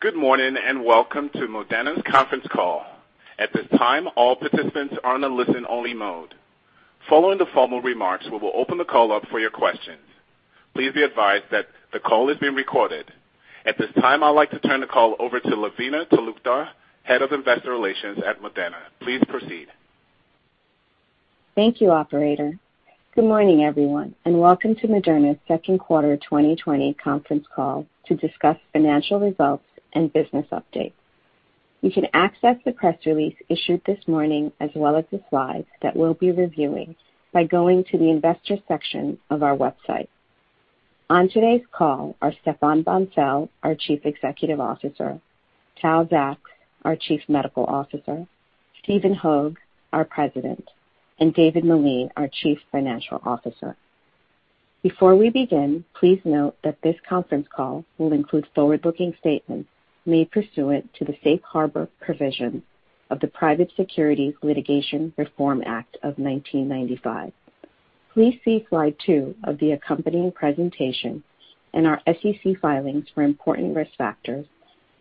Good morning, welcome to Moderna's conference call. At this time, all participants are on a listen-only mode. Following the formal remarks, we will open the call up for your questions. Please be advised that the call is being recorded. At this time, I'd like to turn the call over to Lavina Talukdar, Head of Investor Relations at Moderna. Please proceed. Thank you, operator. Good morning, everyone, and welcome to Moderna's second quarter 2020 conference call to discuss financial results and business updates. You can access the press release issued this morning as well as the slides that we'll be reviewing by going to the investor section of our website. On today's call are Stéphane Bancel, our Chief Executive Officer, Tal Zaks, our Chief Medical Officer, Stephen Hoge, our President, and David Meline, our Chief Financial Officer. Before we begin, please note that this conference call will include forward-looking statements made pursuant to the Safe Harbor provision of the Private Securities Litigation Reform Act of 1995. Please see slide two of the accompanying presentation and our SEC filings for important risk factors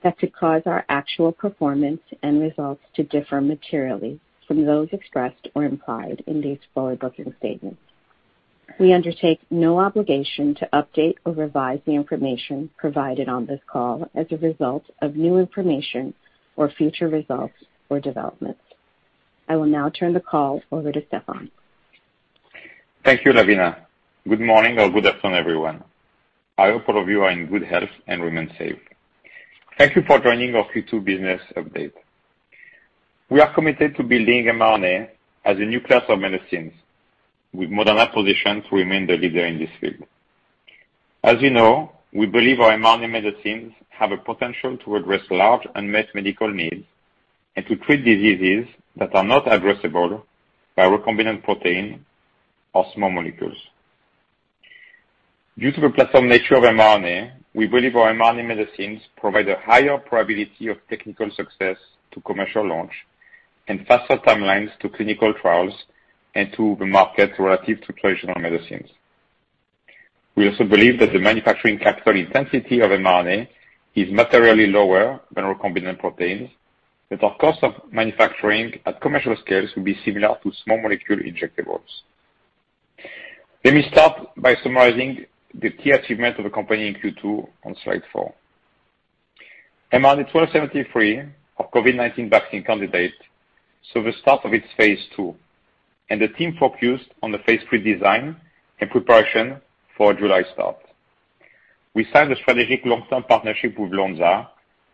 that could cause our actual performance and results to differ materially from those expressed or implied in these forward-looking statements. We undertake no obligation to update or revise the information provided on this call as a result of new information or future results or developments. I will now turn the call over to Stéphane. Thank you, Lavina. Good morning or good afternoon, everyone. I hope all of you are in good health and remain safe. Thank you for joining our Q2 business update. We are committed to building mRNA as a new class of medicines, with Moderna positioned to remain the leader in this field. As you know, we believe our mRNA medicines have a potential to address large unmet medical needs and to treat diseases that are not addressable by recombinant protein or small molecules. Due to the platform nature of mRNA, we believe our mRNA medicines provide a higher probability of technical success to commercial launch and faster timelines to clinical trials and to the market relative to traditional medicines. We also believe that the manufacturing capital intensity of mRNA is materially lower than recombinant proteins, that our cost of manufacturing at commercial scales will be similar to small molecule injectables. Let me start by summarizing the key achievements of the company in Q2 on slide four. mRNA-1273, our COVID-19 vaccine candidate, saw the start of its phase II, and the team focused on the phase III design and preparation for a July start. We signed a strategic long-term partnership with Lonza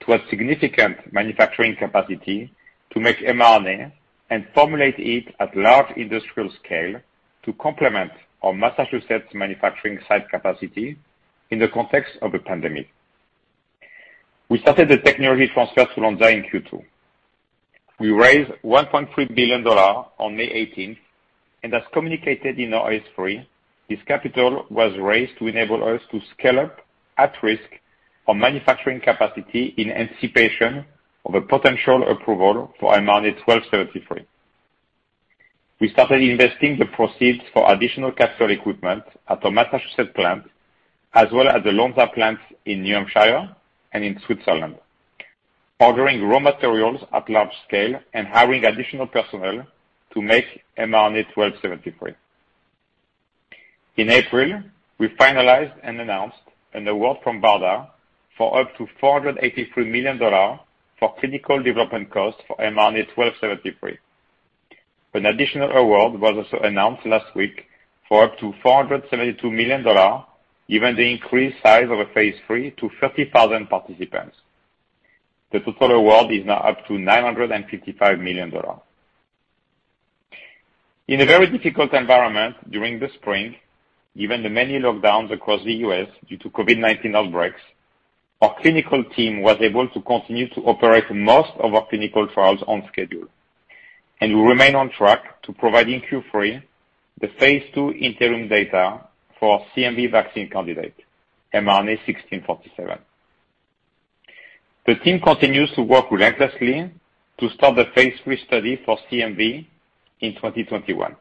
to add significant manufacturing capacity to make mRNA and formulate it at large industrial scale to complement our Massachusetts manufacturing site capacity in the context of the pandemic. We started the technology transfer to Lonza in Q2. We raised $1.3 billion on May 18th, and as communicated in our S-3, this capital was raised to enable us to scale up at-risk our manufacturing capacity in anticipation of a potential approval for mRNA-1273. We started investing the proceeds for additional capital equipment at our Massachusetts plant, as well as the Lonza plants in New Hampshire and in Switzerland, ordering raw materials at large scale and hiring additional personnel to make mRNA-1273. In April, we finalized and announced an award from BARDA for up to $483 million for clinical development costs for mRNA-1273. An additional award was also announced last week for up to $472 million, given the increased size of the phase III to 30,000 participants. The total award is now up to $955 million. In a very difficult environment during the spring, given the many lockdowns across the U.S. due to COVID-19 outbreaks, our clinical team was able to continue to operate most of our clinical trials on schedule, and we remain on track to providing Q3 the phase II interim data for our CMV vaccine candidate, mRNA-1647. The team continues to work relentlessly to start the phase III study for CMV in 2021.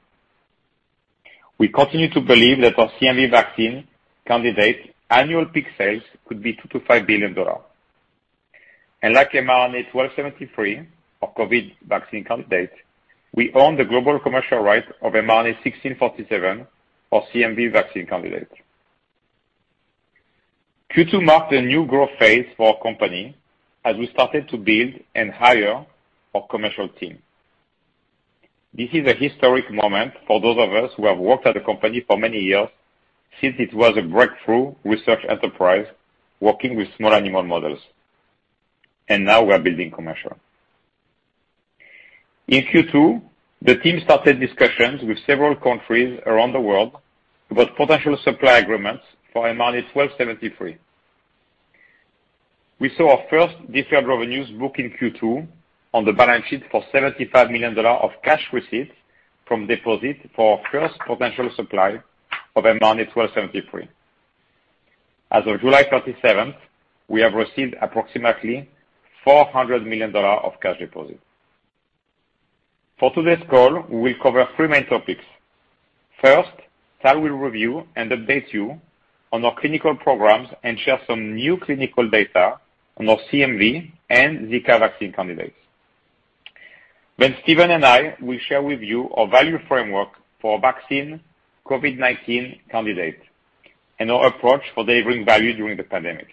We continue to believe that our CMV vaccine candidate annual peak sales could be $2 billion-$5 billion. Like mRNA-1273, our COVID vaccine candidate, we own the global commercial right of mRNA-1647, our CMV vaccine candidate. Q2 marked a new growth phase for our company as we started to build and hire our commercial team. This is a historic moment for those of us who have worked at the company for many years, since it was a breakthrough research enterprise working with small animal models, and now we're building commercial. In Q2, the team started discussions with several countries around the world about potential supply agreements for mRNA-1273. We saw our first deferred revenues book in Q2 on the balance sheet for $75 million of cash received from deposit for our first potential supply of mRNA-1273. As of July 27th, we have received approximately $400 million of cash deposit. For today's call, we will cover three main topics. First, Tal will review and update you on our clinical programs and share some new clinical data on our CMV and Zika vaccine candidates. Stephen and I will share with you our value framework for our vaccine COVID-19 candidate and our approach for delivering value during the pandemic.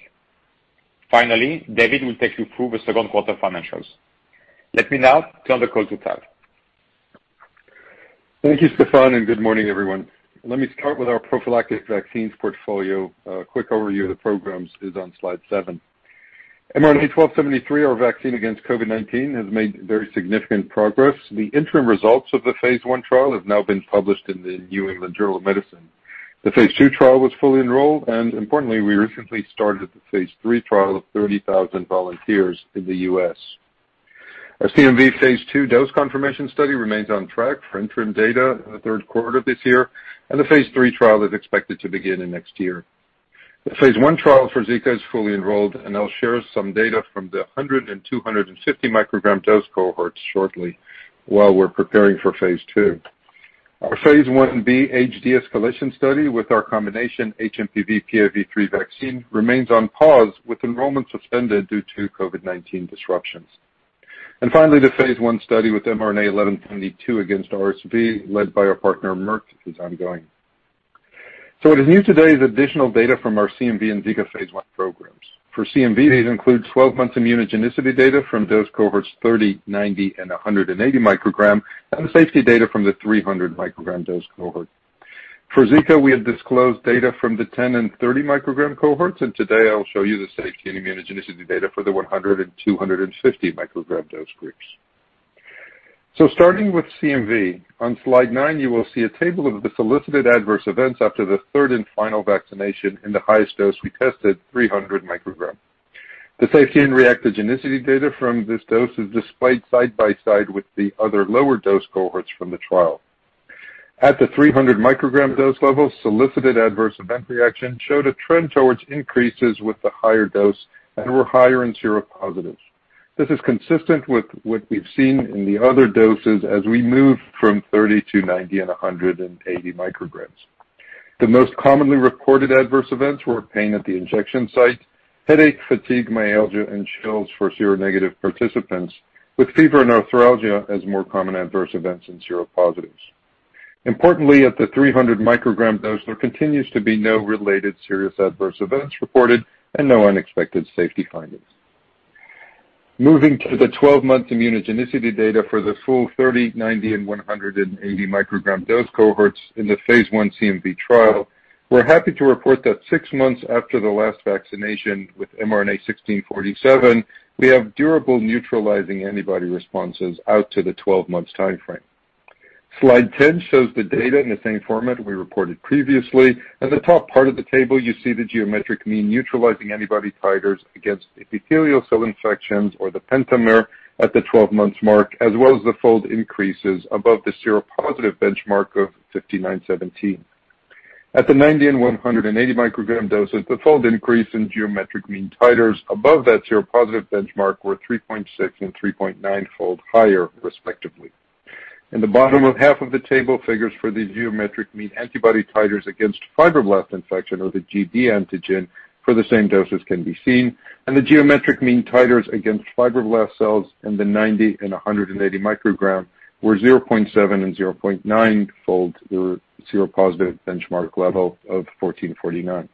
Finally, David will take you through the second quarter financials. Let me now turn the call to Tal. Thank you, Stéphane, and good morning, everyone. Let me start with our prophylactic vaccines portfolio. A quick overview of the programs is on slide seven. mRNA-1273, our vaccine against COVID-19, has made very significant progress. The interim results of the phase I trial have now been published in the New England Journal of Medicine. The phase II trial was fully enrolled, and importantly, we recently started the phase III trial of 30,000 volunteers in the U.S. Our CMV phase II dose confirmation study remains on track for interim data in the third quarter of this year, and the phase III trial is expected to begin in next year. The phase I trial for Zika is fully enrolled, and I'll share some data from the 100 and 250 μg dose cohorts shortly while we're preparing for phase II. Our phase I-B HD escalation study with our combination hMPV-PIV3 vaccine remains on pause with enrollments suspended due to COVID-19 disruptions. Finally, the phase I study with mRNA-1172 against RSV, led by our partner, Merck, is ongoing. What is new today is additional data from our CMV and Zika phase I programs. For CMV, these include 12 months immunogenicity data from dose cohorts 30, 90, and 180 μg, and the safety data from the 300 μg dose cohort. For Zika, we have disclosed data from the 10 and 30 μg cohorts, and today I'll show you the safety and immunogenicity data for the 100 and 250 μg dose groups. Starting with CMV, on slide nine, you will see a table of the solicited adverse events after the third and final vaccination in the highest dose we tested, 300 μg. The safety and reactogenicity data from this dose is displayed side by side with the other lower dose cohorts from the trial. At the 300 μg dose level, solicited adverse event reaction showed a trend towards increases with the higher dose and were higher in seropositive. This is consistent with what we've seen in the other doses as we move from 30to 90 and 180 μg. The most commonly reported adverse events were pain at the injection site, headache, fatigue, myalgia, and chills for seronegative participants, with fever and arthralgia as more common adverse events in seropositives. Importantly, at the 300 μg dose, there continues to be no related serious adverse events reported and no unexpected safety findings. Moving to the 12-month immunogenicity data for the full 30, 90, and 180 μg dose cohorts in the phase I CMV trial, we're happy to report that six months after the last vaccination with mRNA-1647, we have durable neutralizing antibody responses out to the 12 months timeframe. Slide 10 shows the data in the same format we reported previously. At the top part of the table, you see the geometric mean neutralizing antibody titers against epithelial cell infections or the pentamer at the 12 months mark, as well as the fold increases above the seropositive benchmark of 5,917. At the 90 and 180 μg doses, the fold increase in geometric mean titers above that seropositive benchmark were 3.6 and 3.9 fold higher, respectively. In the bottom half of the table, figures for the geometric mean antibody titers against fibroblast infection or the gB antigen for the same doses can be seen. The geometric mean titers against fibroblast cells in the 90 and 180 μg were 0.7 and 0.9 fold the seropositive benchmark level of 1,449.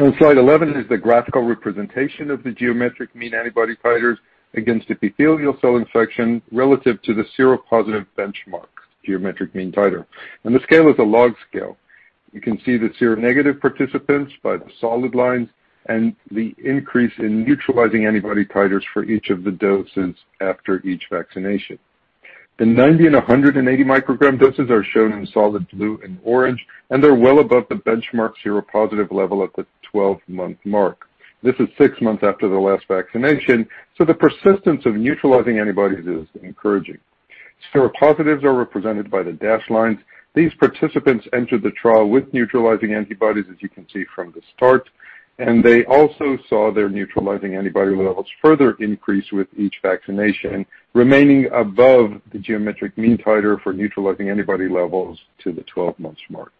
On slide 11 is the graphical representation of the geometric mean antibody titers against epithelial cell infection relative to the seropositive benchmark geometric mean titer. The scale is a log scale. You can see the seronegative participants by the solid lines and the increase in neutralizing antibody titers for each of the doses after each vaccination. The 90 and 180 μg doses are shown in solid blue and orange. They're well above the benchmark seropositive level at the 12-month mark. This is six months after the last vaccination. The persistence of neutralizing antibodies is encouraging. Seropositives are represented by the dashed lines. These participants entered the trial with neutralizing antibodies, as you can see from the start. They also saw their neutralizing antibody levels further increase with each vaccination, remaining above the geometric mean titer for neutralizing antibody levels to the 12 month mark.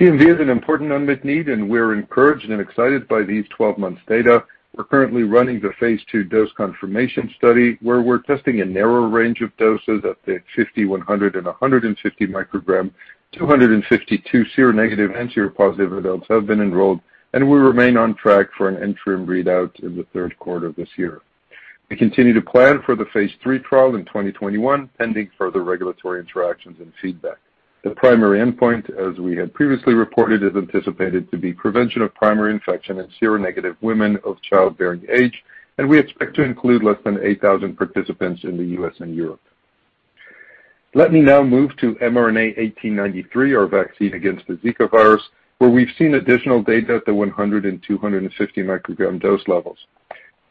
CMV is an important unmet need. We're encouraged and excited by these 12 months data. We're currently running the phase II dose confirmation study, where we're testing a narrow range of doses at the 50, 100 and 150 μg. 252 seronegative and seropositive adults have been enrolled, and we remain on track for an interim readout in the third quarter of this year. We continue to plan for the phase III trial in 2021, pending further regulatory interactions and feedback. The primary endpoint, as we had previously reported, is anticipated to be prevention of primary infection in seronegative women of childbearing age, and we expect to include less than 8,000 participants in the U.S. and Europe. Let me now move to mRNA-1893, our vaccine against the Zika virus, where we've seen additional data at the 100 and 250 μg dose levels.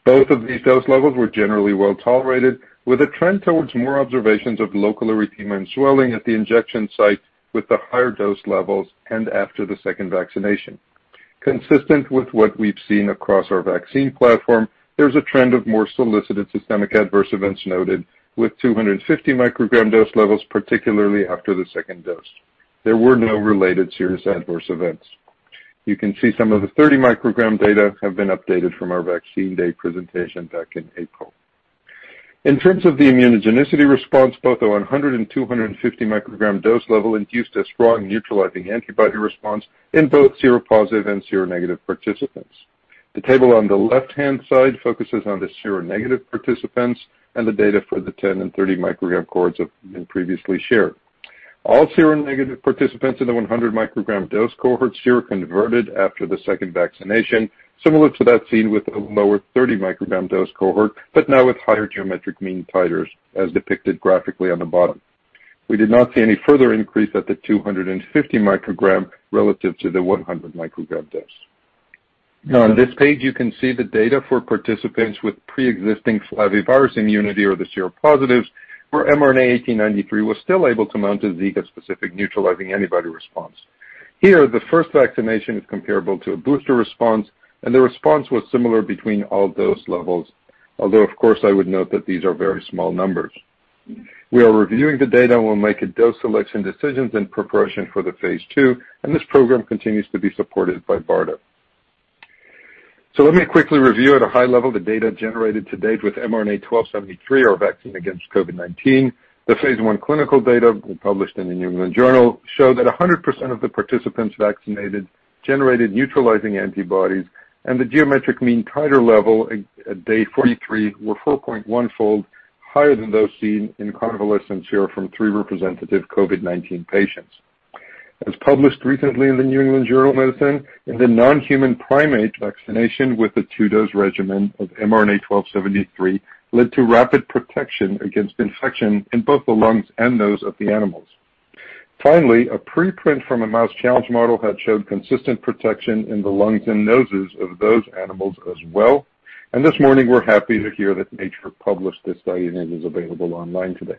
Both of these dose levels were generally well-tolerated, with a trend towards more observations of local erythema and swelling at the injection site with the higher dose levels and after the second vaccination. Consistent with what we've seen across our vaccine platform, there's a trend of more solicited systemic adverse events noted with 250 μg dose levels, particularly after the second dose. There were no related serious adverse events. You can see some of the 30 μg data have been updated from our Vaccine Day presentation back in April. In terms of the immunogenicity response, both the 100 and 250 μg dose level induced a strong neutralizing antibody response in both seropositive and seronegative participants. The table on the left-hand side focuses on the seronegative participants, and the data for the 10 and 30 μg cohorts have been previously shared. All seronegative participants in the 100 μg dose cohort seroconverted after the second vaccination, similar to that seen with the lower 30 μg dose cohort, but now with higher geometric mean titers, as depicted graphically on the bottom. We did not see any further increase at the 250 μg relative to the 100 μg dose. Now on this page, you can see the data for participants with preexisting flavivirus immunity or the seropositives, where mRNA-1893 was still able to mount a Zika-specific neutralizing antibody response. Here, the first vaccination is comparable to a booster response, and the response was similar between all dose levels. Of course, I would note that these are very small numbers. We are reviewing the data, and we'll make dose selection decisions in preparation for the phase II, and this program continues to be supported by BARDA. Let me quickly review at a high level the data generated to date with mRNA-1273, our vaccine against COVID-19. The phase I clinical data, published in "The New England Journal," show that 100% of the participants vaccinated generated neutralizing antibodies, and the geometric mean titer level at day 43 were 4.1-fold higher than those seen in convalescents here from three representative COVID-19 patients. As published recently in the "New England Journal of Medicine," in the non-human primate vaccination with the two-dose regimen of mRNA-1273 led to rapid protection against infection in both the lungs and nose of the animals. Finally, a preprint from a mouse challenge model had showed consistent protection in the lungs and noses of those animals as well. This morning, we're happy to hear that "Nature" published this study, and it is available online today.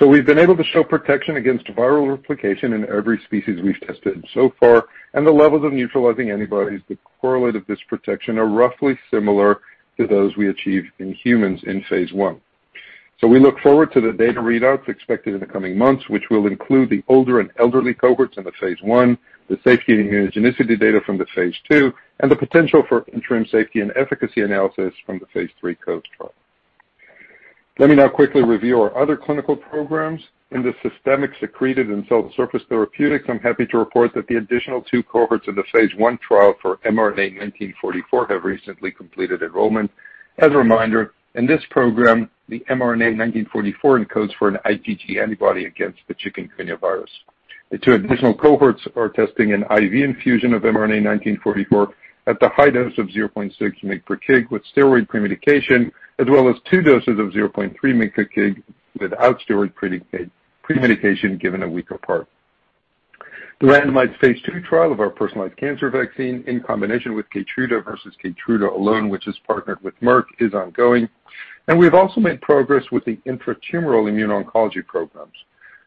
We've been able to show protection against viral replication in every species we've tested so far, and the levels of neutralizing antibodies that correlate this protection are roughly similar to those we achieved in humans in phase I. We look forward to the data readouts expected in the coming months, which will include the older and elderly cohorts in the phase I, the safety and immunogenicity data from the phase II, and the potential for interim safety and efficacy analysis from the phase III COVE trial. Let me now quickly review our other clinical programs. In the systemic secreted and cell surface therapeutics, I'm happy to report that the additional two cohorts of the phase I trial for mRNA-1944 have recently completed enrollment. As a reminder, in this program, the mRNA-1944 encodes for an IgG antibody against the chikungunya virus. The two additional cohorts are testing an IV infusion of mRNA-1944 at the high dose of 0.6 mg/kg with steroid pre-medication, as well as two doses of 0.3 mg/kg without steroid pre-medication, given a week apart. The randomized phase II trial of our personalized cancer vaccine, in combination with KEYTRUDA versus KEYTRUDA alone, which is partnered with Merck, is ongoing. We've also made progress with the intratumoral immuno-oncology programs.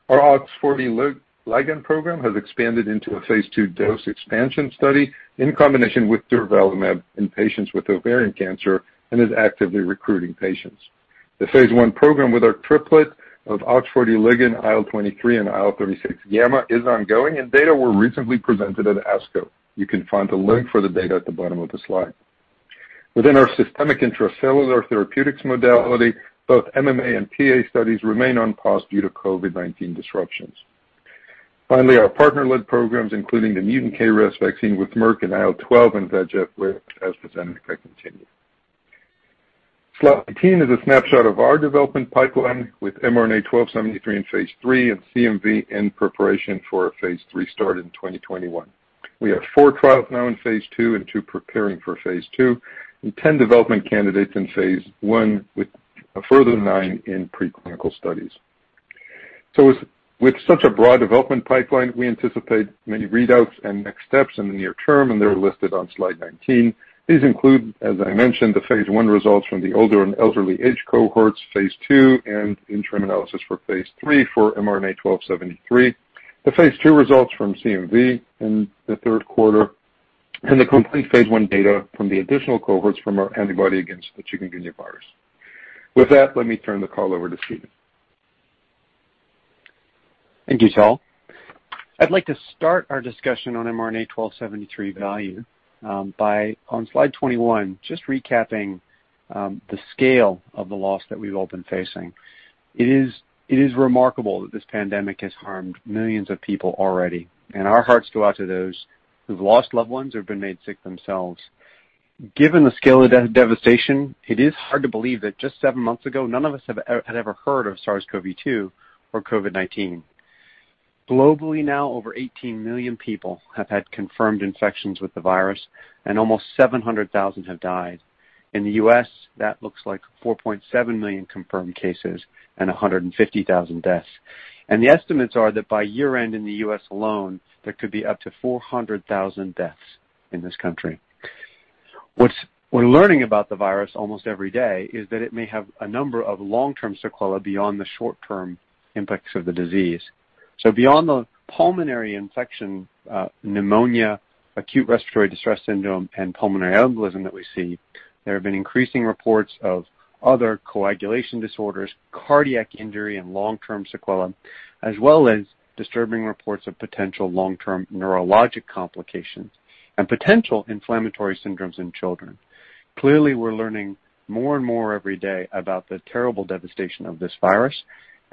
Our OX40 ligand program has expanded into a phase II dose expansion study in combination with durvalumab in patients with ovarian cancer and is actively recruiting patients. The phase I program with our triplet of OX40 ligand, IL-23, and IL-36gamma is ongoing. Data were recently presented at ASCO. You can find a link for the data at the bottom of the slide. Within our systemic intracellular therapeutics modality, both MMA and PA studies remain on pause due to COVID-19 disruptions. Earlier our partner-led programs, including the mutant KRAS vaccine with Merck and IL-12 and VEGF with AstraZeneca, continue. Slide 18 is a snapshot of our development pipeline, with mRNA-1273 in phase III and CMV in preparation for a phase III start in 2021. We have four trials now in phase II and two preparing for phase II, and 10 development candidates in phase I, with a further nine in preclinical studies. With such a broad development pipeline, we anticipate many readouts and next steps in the near term, and they're listed on slide 19. These include, as I mentioned, the phase I results from the older and elderly age cohorts, phase II, and interim analysis for phase III for mRNA-1273, the phase II results from CMV in the third quarter, and the complete phase I data from the additional cohorts from our antibody against the chikungunya virus. With that, let me turn the call over to Stephen. Thank you, Tal. I'd like to start our discussion on mRNA-1273 value by, on slide 21, just recapping the scale of the loss that we've all been facing. It is remarkable that this pandemic has harmed millions of people already, and our hearts go out to those who've lost loved ones or have been made sick themselves. Given the scale of the devastation, it is hard to believe that just seven months ago, none of us had ever heard of SARS-CoV-2 or COVID-19. Globally now, over 18 million people have had confirmed infections with the virus, and almost 700,000 have died. In the U.S., that looks like 4.7 million confirmed cases and 150,000 deaths. The estimates are that by year-end in the U.S. alone, there could be up to 400,000 deaths in this country. What we're learning about the virus almost every day is that it may have a number of long-term sequelae beyond the short-term impacts of the disease. Beyond the pulmonary infection, pneumonia, acute respiratory distress syndrome, and pulmonary embolism that we see, there have been increasing reports of other coagulation disorders, cardiac injury, and long-term sequelae, as well as disturbing reports of potential long-term neurologic complications and potential inflammatory syndromes in children. Clearly, we're learning more and more every day about the terrible devastation of this virus,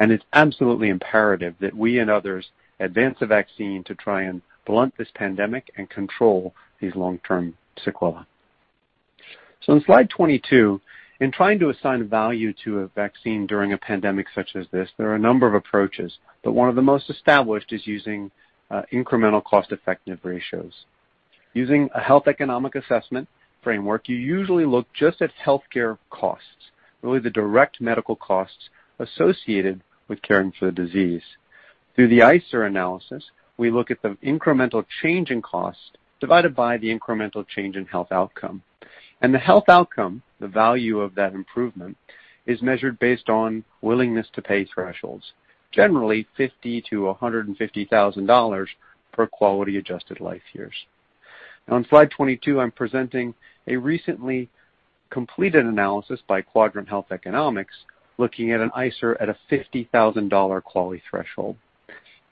and it's absolutely imperative that we and others advance a vaccine to try and blunt this pandemic and control these long-term sequelae. On slide 22, in trying to assign a value to a vaccine during a pandemic such as this, there are a number of approaches, but one of the most established is using incremental cost-effective ratios. Using a health economic assessment framework, you usually look just at healthcare costs, really the direct medical costs associated with caring for the disease. Through the ICER analysis, we look at the incremental change in cost divided by the incremental change in health outcome. The health outcome, the value of that improvement, is measured based on willingness to pay thresholds, generally $50,000-$150,000 per quality adjusted life years. On slide 22, I'm presenting a recently completed analysis by Quadrant Health Economics looking at an ICER at a $50,000 QALY threshold.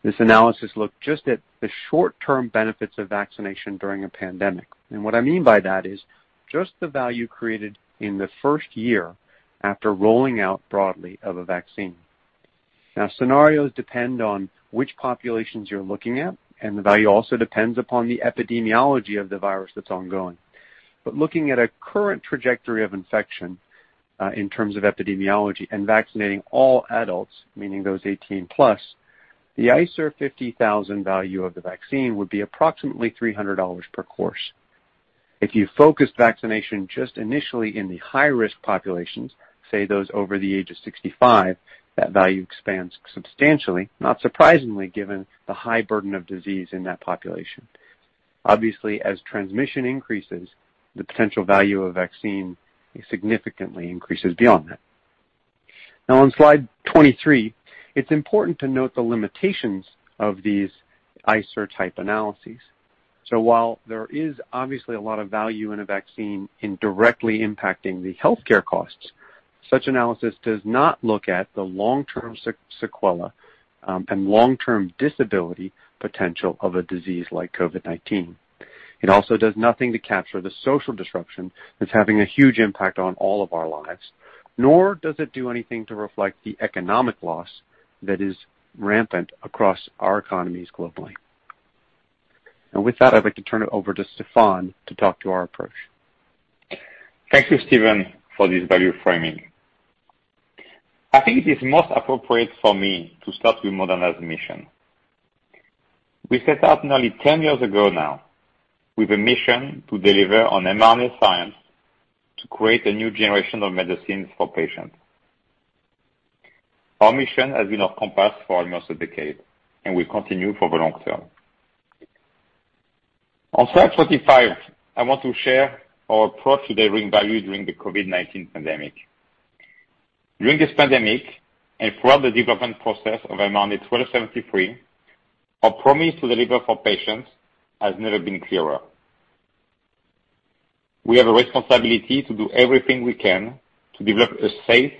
This analysis looked just at the short-term benefits of vaccination during a pandemic. What I mean by that is just the value created in the first year after rolling out broadly of a vaccine. Scenarios depend on which populations you're looking at, and the value also depends upon the epidemiology of the virus that's ongoing. Looking at a current trajectory of infection, in terms of epidemiology and vaccinating all adults, meaning those 18+, the ICER 50,000 value of the vaccine would be approximately $300 per course. If you focus vaccination just initially in the high-risk populations, say those over the age of 65, that value expands substantially, not surprisingly, given the high burden of disease in that population. Obviously, as transmission increases, the potential value of vaccine significantly increases beyond that. On slide 23, it's important to note the limitations of these ICER-type analyses. While there is obviously a lot of value in a vaccine in directly impacting the healthcare costs, such analysis does not look at the long-term sequelae, and long-term disability potential of a disease like COVID-19. It also does nothing to capture the social disruption that's having a huge impact on all of our lives, nor does it do anything to reflect the economic loss that is rampant across our economies globally. With that, I'd like to turn it over to Stéphane to talk to our approach. Thank you, Stephen, for this value framing. I think it is most appropriate for me to start with Moderna's mission. We set out nearly 10 years ago now with a mission to deliver on mRNA science to create a new generation of medicines for patients. Our mission has been our compass for almost a decade and will continue for the long term. On slide 25, I want to share our approach to delivering value during the COVID-19 pandemic. During this pandemic and throughout the development process of mRNA-1273, our promise to deliver for patients has never been clearer. We have a responsibility to do everything we can to develop a safe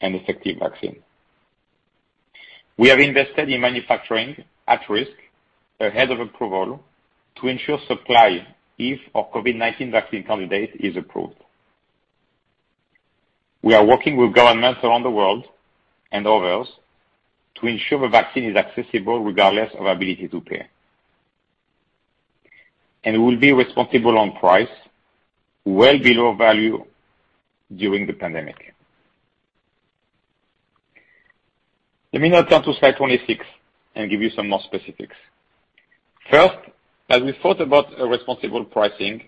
and effective vaccine. We have invested in manufacturing at risk ahead of approval to ensure supply if our COVID-19 vaccine candidate is approved. We are working with governments around the world and others to ensure the vaccine is accessible regardless of ability to pay. We'll be responsible on price, well below value during the pandemic. Let me now turn to slide 26 and give you some more specifics. First, as we thought about a responsible pricing,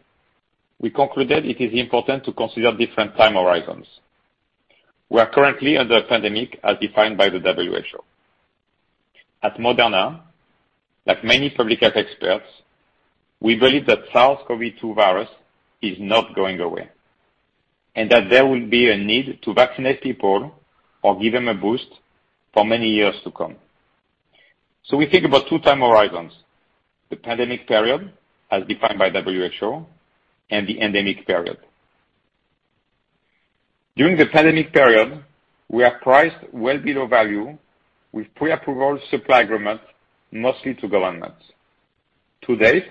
we concluded it is important to consider different time horizons. We are currently under a pandemic as defined by the WHO. At Moderna, like many public health experts, we believe that SARS-CoV-2 virus is not going away, and that there will be a need to vaccinate people or give them a boost for many years to come. We think about two time horizons, the pandemic period, as defined by WHO, and the endemic period. During the pandemic period, we have priced well below value with pre-approval supply agreements, mostly to governments. To date,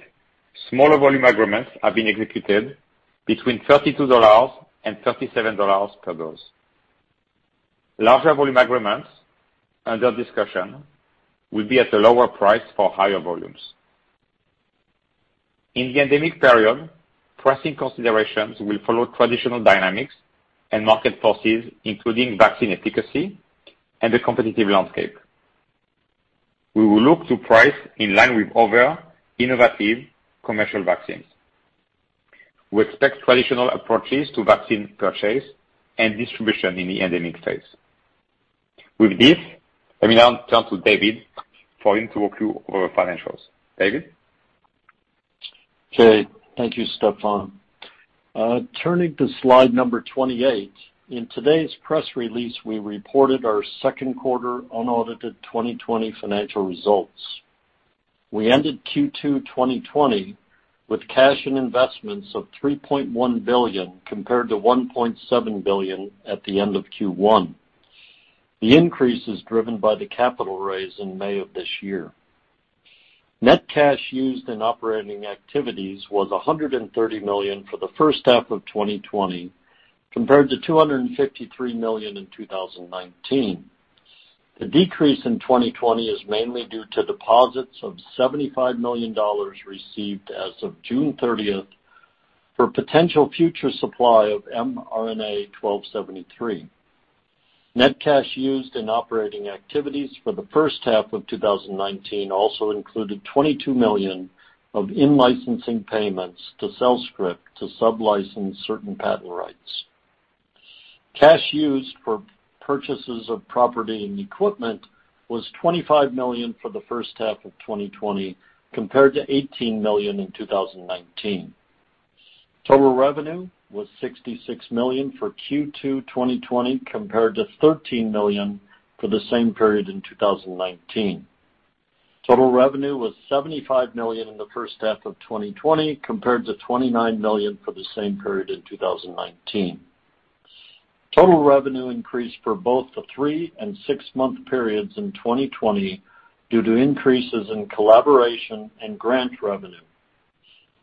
smaller volume agreements have been executed between $32 and $37 per dose. Larger volume agreements under discussion will be at a lower price for higher volumes. In the endemic period, pricing considerations will follow traditional dynamics and market forces, including vaccine efficacy and the competitive landscape. We will look to price in line with other innovative commercial vaccines. We expect traditional approaches to vaccine purchase and distribution in the endemic phase. With this, let me now turn to David for him to walk you over financials. David? Okay. Thank you, Stéphane. Turning to slide number 28, in today's press release, we reported our second quarter unaudited 2020 financial results. We ended Q2 2020 with cash and investments of $3.1 billion compared to $1.7 billion at the end of Q1. The increase is driven by the capital raise in May of this year. Net cash used in operating activities was $130 million for the first half of 2020 compared to $253 million in 2019. The decrease in 2020 is mainly due to deposits of $75 million received as of June 30th for potential future supply of mRNA-1273. Net cash used in operating activities for the first half of 2019 also included $22 million of in-licensing payments to CellScript to sub-license certain patent rights. Cash used for purchases of property and equipment was $25 million for the first half of 2020 compared to $18 million in 2019. Total revenue was $66 million for Q2 2020 compared to $13 million for the same period in 2019. Total revenue was $75 million in the first half of 2020 compared to $29 million for the same period in 2019. Total revenue increased for both the three and six-month periods in 2020 due to increases in collaboration and grant revenue.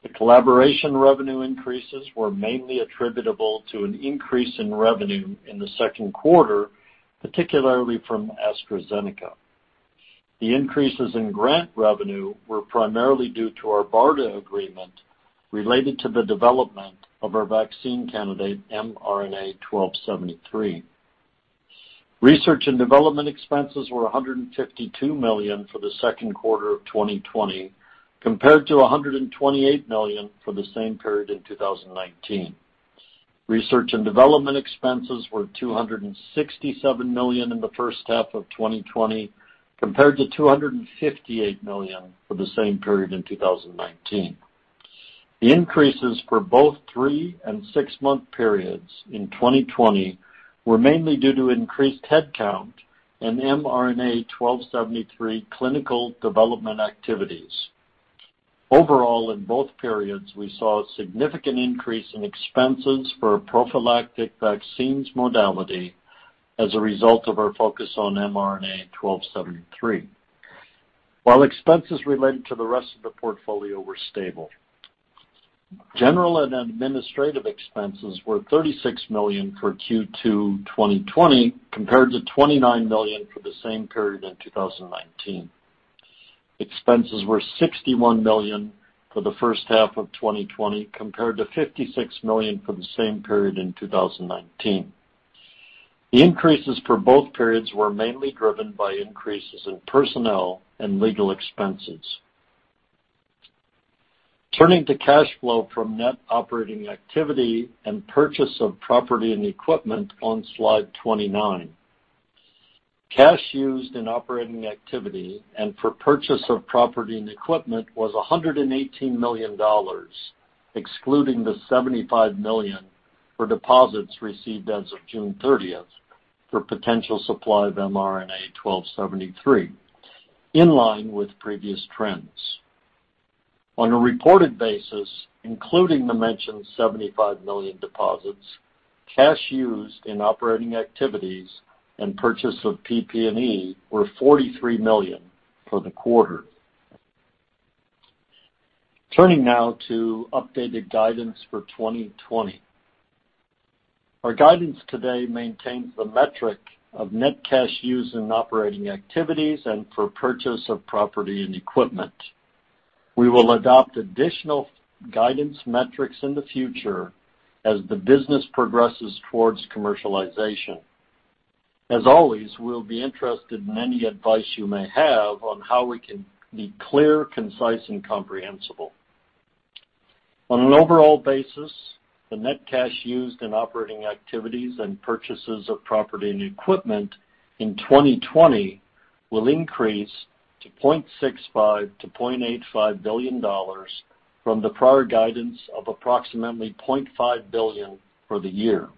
The collaboration revenue increases were mainly attributable to an increase in revenue in the second quarter, particularly from AstraZeneca. The increases in grant revenue were primarily due to our BARDA agreement related to the development of our vaccine candidate, mRNA-1273. Research and development expenses were $152 million for the second quarter of 2020 compared to $128 million for the same period in 2019. Research and development expenses were $267 million in the first half of 2020 compared to $258 million for the same period in 2019. The increases for both three and six-month periods in 2020 were mainly due to increased headcount in mRNA-1273 clinical development activities. Overall, in both periods, we saw a significant increase in expenses for prophylactic vaccines modality as a result of our focus on mRNA-1273, while expenses related to the rest of the portfolio were stable. General and administrative expenses were $36 million for Q2 2020 compared to $29 million for the same period in 2019. Expenses were $61 million for the first half of 2020 compared to $56 million for the same period in 2019. The increases for both periods were mainly driven by increases in personnel and legal expenses. Turning to cash flow from net operating activity and purchase of property and equipment on slide 29. Cash used in operating activity and for purchase of property and equipment was $118 million, excluding the $75 million for deposits received as of June 30th for potential supply of mRNA-1273, in line with previous trends. On a reported basis, including the mentioned $75 million deposits, cash used in operating activities and purchase of PP&E were $43 million for the quarter. Turning now to updated guidance for 2020. Our guidance today maintains the metric of net cash used in operating activities and for purchase of property and equipment. We will adopt additional guidance metrics in the future as the business progresses towards commercialization. As always, we'll be interested in any advice you may have on how we can be clear, concise, and comprehensible. On an overall basis, the net cash used in operating activities and purchases of property and equipment in 2020 will increase to $0.65 billion-$0.85 billion from the prior guidance of approximately $0.5 billion for the year.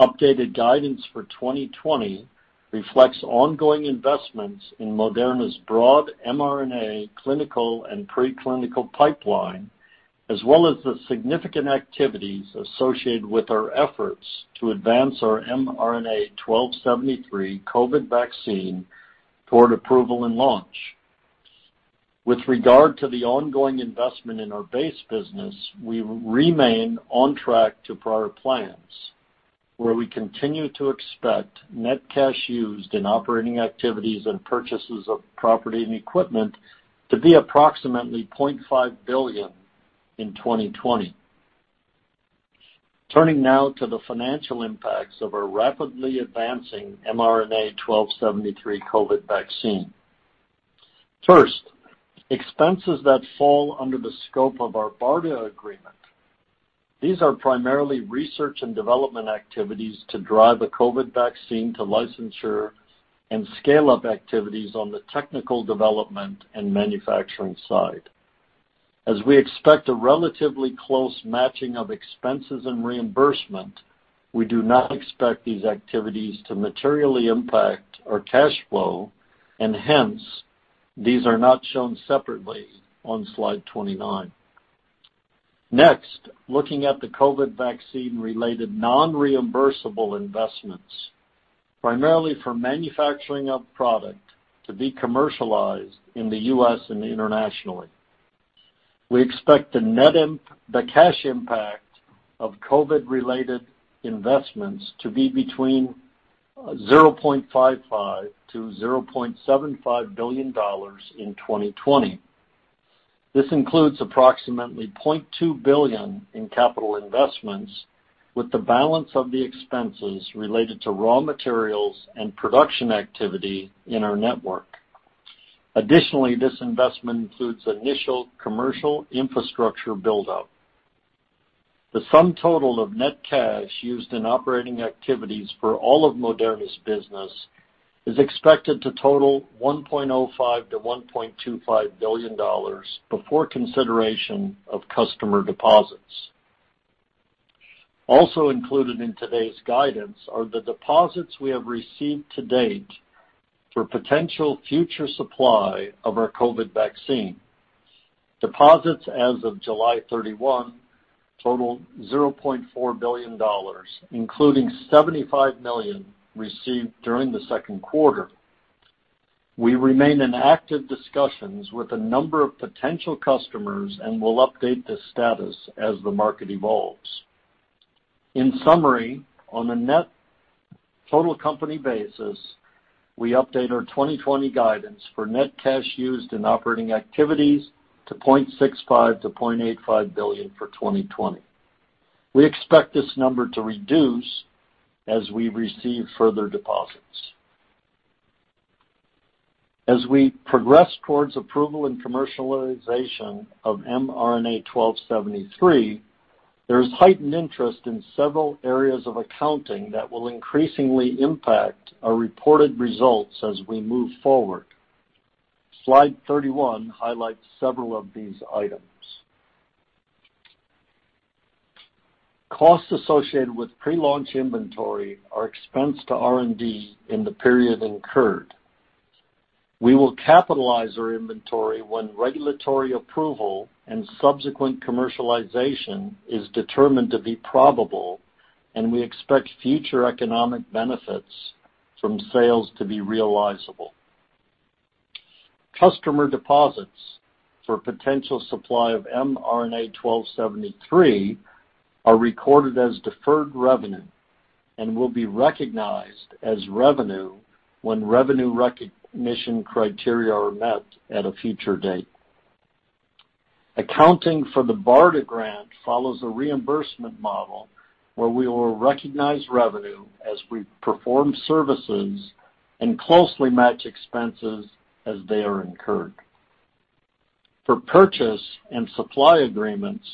Updated guidance for 2020 reflects ongoing investments in Moderna's broad mRNA clinical and preclinical pipeline, as well as the significant activities associated with our efforts to advance our mRNA-1273 COVID vaccine toward approval and launch. With regard to the ongoing investment in our base business, we remain on track to prior plans, where we continue to expect net cash used in operating activities and purchases of property and equipment to be approximately $0.5 billion in 2020. Turning now to the financial impacts of our rapidly advancing mRNA-1273 COVID vaccine. First, expenses that fall under the scope of our BARDA agreement. These are primarily research and development activities to drive a COVID-19 vaccine to licensure and scale up activities on the technical development and manufacturing side. As we expect a relatively close matching of expenses and reimbursement, we do not expect these activities to materially impact our cash flow, and hence, these are not shown separately on slide 29. Next, looking at the COVID-19 vaccine related non-reimbursable investments, primarily for manufacturing of product to be commercialized in the U.S. and internationally. We expect the cash impact of COVID-19 related investments to be between $0.55 billion-$0.75 billion in 2020. This includes approximately $0.2 billion in capital investments, with the balance of the expenses related to raw materials and production activity in our network. Additionally, this investment includes initial commercial infrastructure buildup. The sum total of net cash used in operating activities for all of Moderna's business is expected to total $1.05 billion-$1.25 billion before consideration of customer deposits. Also included in today's guidance are the deposits we have received to date for potential future supply of our COVID vaccine. Deposits as of July 31 totaled $0.4 billion, including $75 million received during the second quarter. We remain in active discussions with a number of potential customers and will update this status as the market evolves. In summary, on a net total company basis, we update our 2020 guidance for net cash used in operating activities to $0.65 billion-$0.85 billion for 2020. We expect this number to reduce as we receive further deposits. As we progress towards approval and commercialization of mRNA-1273, there is heightened interest in several areas of accounting that will increasingly impact our reported results as we move forward. Slide 31 highlights several of these items. Costs associated with pre-launch inventory are expensed to R&D in the period incurred. We will capitalize our inventory when regulatory approval and subsequent commercialization is determined to be probable, and we expect future economic benefits from sales to be realizable. Customer deposits for potential supply of mRNA-1273 are recorded as deferred revenue and will be recognized as revenue when revenue recognition criteria are met at a future date. Accounting for the BARDA grant follows a reimbursement model where we will recognize revenue as we perform services and closely match expenses as they are incurred. For purchase and supply agreements,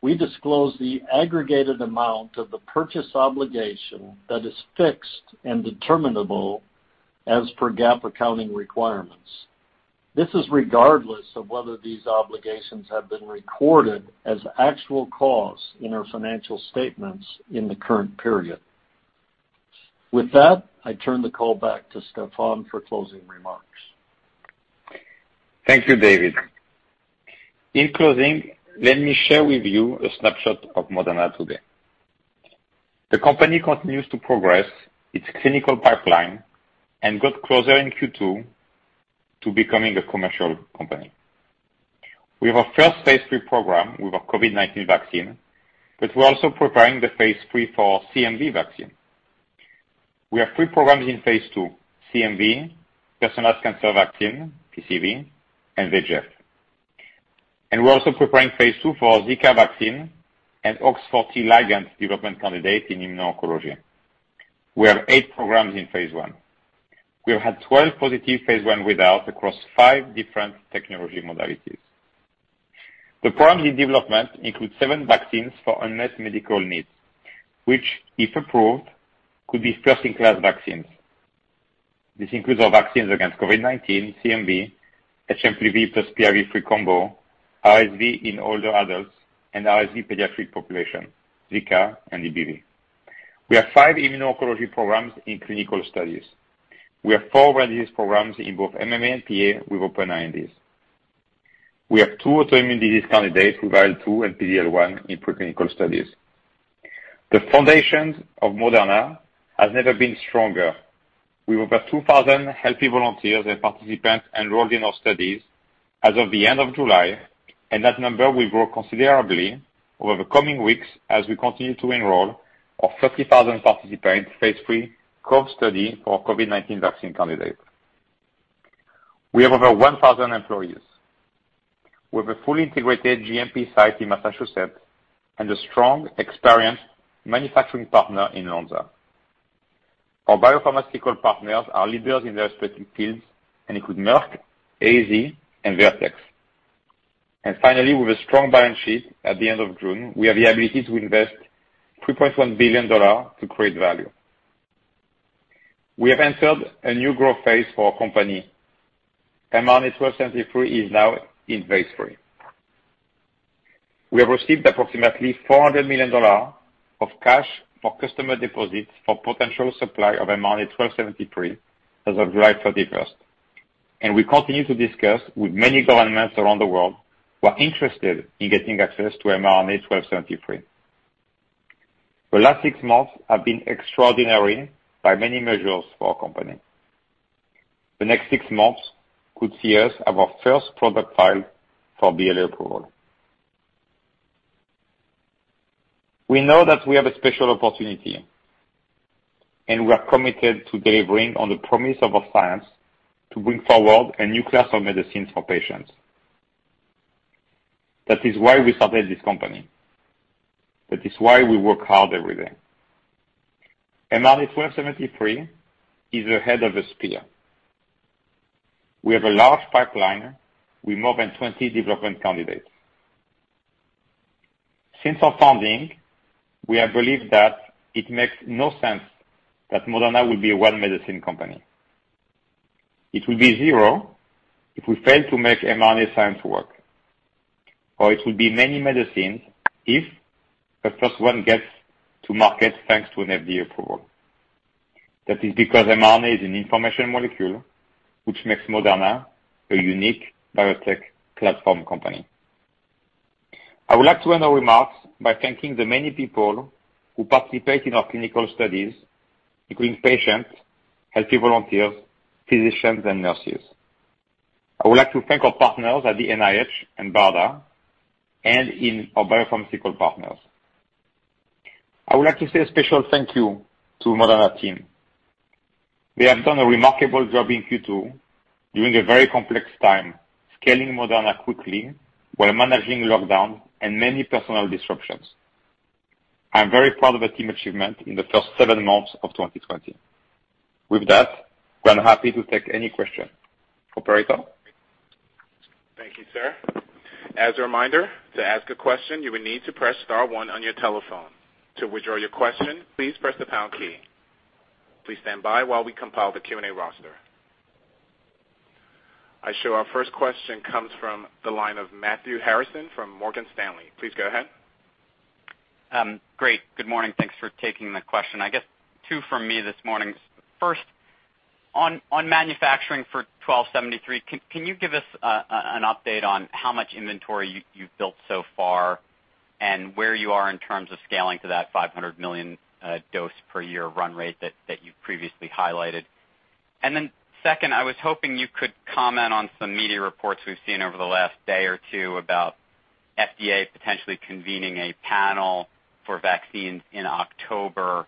we disclose the aggregated amount of the purchase obligation that is fixed and determinable as per GAAP accounting requirements. This is regardless of whether these obligations have been recorded as actual cause in our financial statements in the current period. With that, I turn the call back to Stéphane for closing remarks. Thank you, David. In closing, let me share with you a snapshot of Moderna today. The company continues to progress its clinical pipeline and got closer in Q2 to becoming a commercial company. We have our first phase III program with our COVID-19 vaccine, but we're also preparing the phase III for CMV vaccine. We have three programs in phase II, CMV, personalized cancer vaccine, PCV, and VEGF. We're also preparing phase II for our Zika vaccine and OX40 ligand development candidate in immuno-oncology. We have eight programs in phase I. We have had 12 positive phase I readouts across five different technology modalities. The programs in development include seven vaccines for unmet medical needs, which, if approved, could be first in class vaccines. This includes our vaccines against COVID-19, CMV, HMPV plus PIV3 combo, RSV in older adults, and RSV pediatric population, Zika, and EBV. We have five immuno-oncology programs in clinical studies. We have four rare disease programs in both MMA and PA with open INDs. We have two autoimmune disease candidates with IL-2 and PD-L1 in preclinical studies. The foundations of Moderna has never been stronger. We have over 2,000 healthy volunteers and participants enrolled in our studies as of the end of July, and that number will grow considerably over the coming weeks as we continue to enroll our 30,000 participants phase III COVE study for our COVID-19 vaccine candidate. We have over 1,000 employees with a fully integrated GMP site in Massachusetts and a strong, experienced manufacturing partner in Lonza. Our biopharmaceutical partners are leaders in their respective fields, and include Merck, AZ, and Vertex. Finally, with a strong balance sheet at the end of June, we have the ability to invest $3.1 billion to create value. We have entered a new growth phase for our company. mRNA-1273 is now in phase III. We have received approximately $400 million of cash for customer deposits for potential supply of mRNA-1273 as of July 31st, and we continue to discuss with many governments around the world who are interested in getting access to mRNA-1273. The last six months have been extraordinary by many measures for our company. The next six months could see us have our first product filed for BLA approval. We know that we have a special opportunity, and we are committed to delivering on the promise of our science to bring forward a new class of medicines for patients. That is why we started this company. That is why we work hard every day. mRNA-1273 is the head of a spear. We have a large pipeline with more than 20 development candidates. Since our founding, we have believed that it makes no sense that Moderna would be a one-medicine company. It will be zero if we fail to make mRNA science work, or it will be many medicines if the first one gets to market thanks to an FDA approval. That is because mRNA is an information molecule, which makes Moderna a unique biotech platform company. I would like to end my remarks by thanking the many people who participate in our clinical studies, including patients, healthy volunteers, physicians, and nurses. I would like to thank our partners at the NIH and BARDA, and our biopharmaceutical partners. I would like to say a special thank you to Moderna team. They have done a remarkable job in Q2 during a very complex time, scaling Moderna quickly while managing lockdown and many personal disruptions. I'm very proud of the team achievement in the first seven months of 2020. With that, we're happy to take any questions. Operator? Thank you, sir. As a reminder, to ask a question, you will need to press star one on your telephone. To withdraw your question, please press the pound key. Please stand by while we compile the Q&A roster. I show our first question comes from the line of Matthew Harrison from Morgan Stanley. Please go ahead. Great. Good morning. Thanks for taking the question. I guess two from me this morning. First, on manufacturing for 1273, can you give us an update on how much inventory you've built so far and where you are in terms of scaling to that 500 million dose per year run rate that you've previously highlighted? Second, I was hoping you could comment on some media reports we've seen over the last day or two about FDA potentially convening a panel for vaccines in October.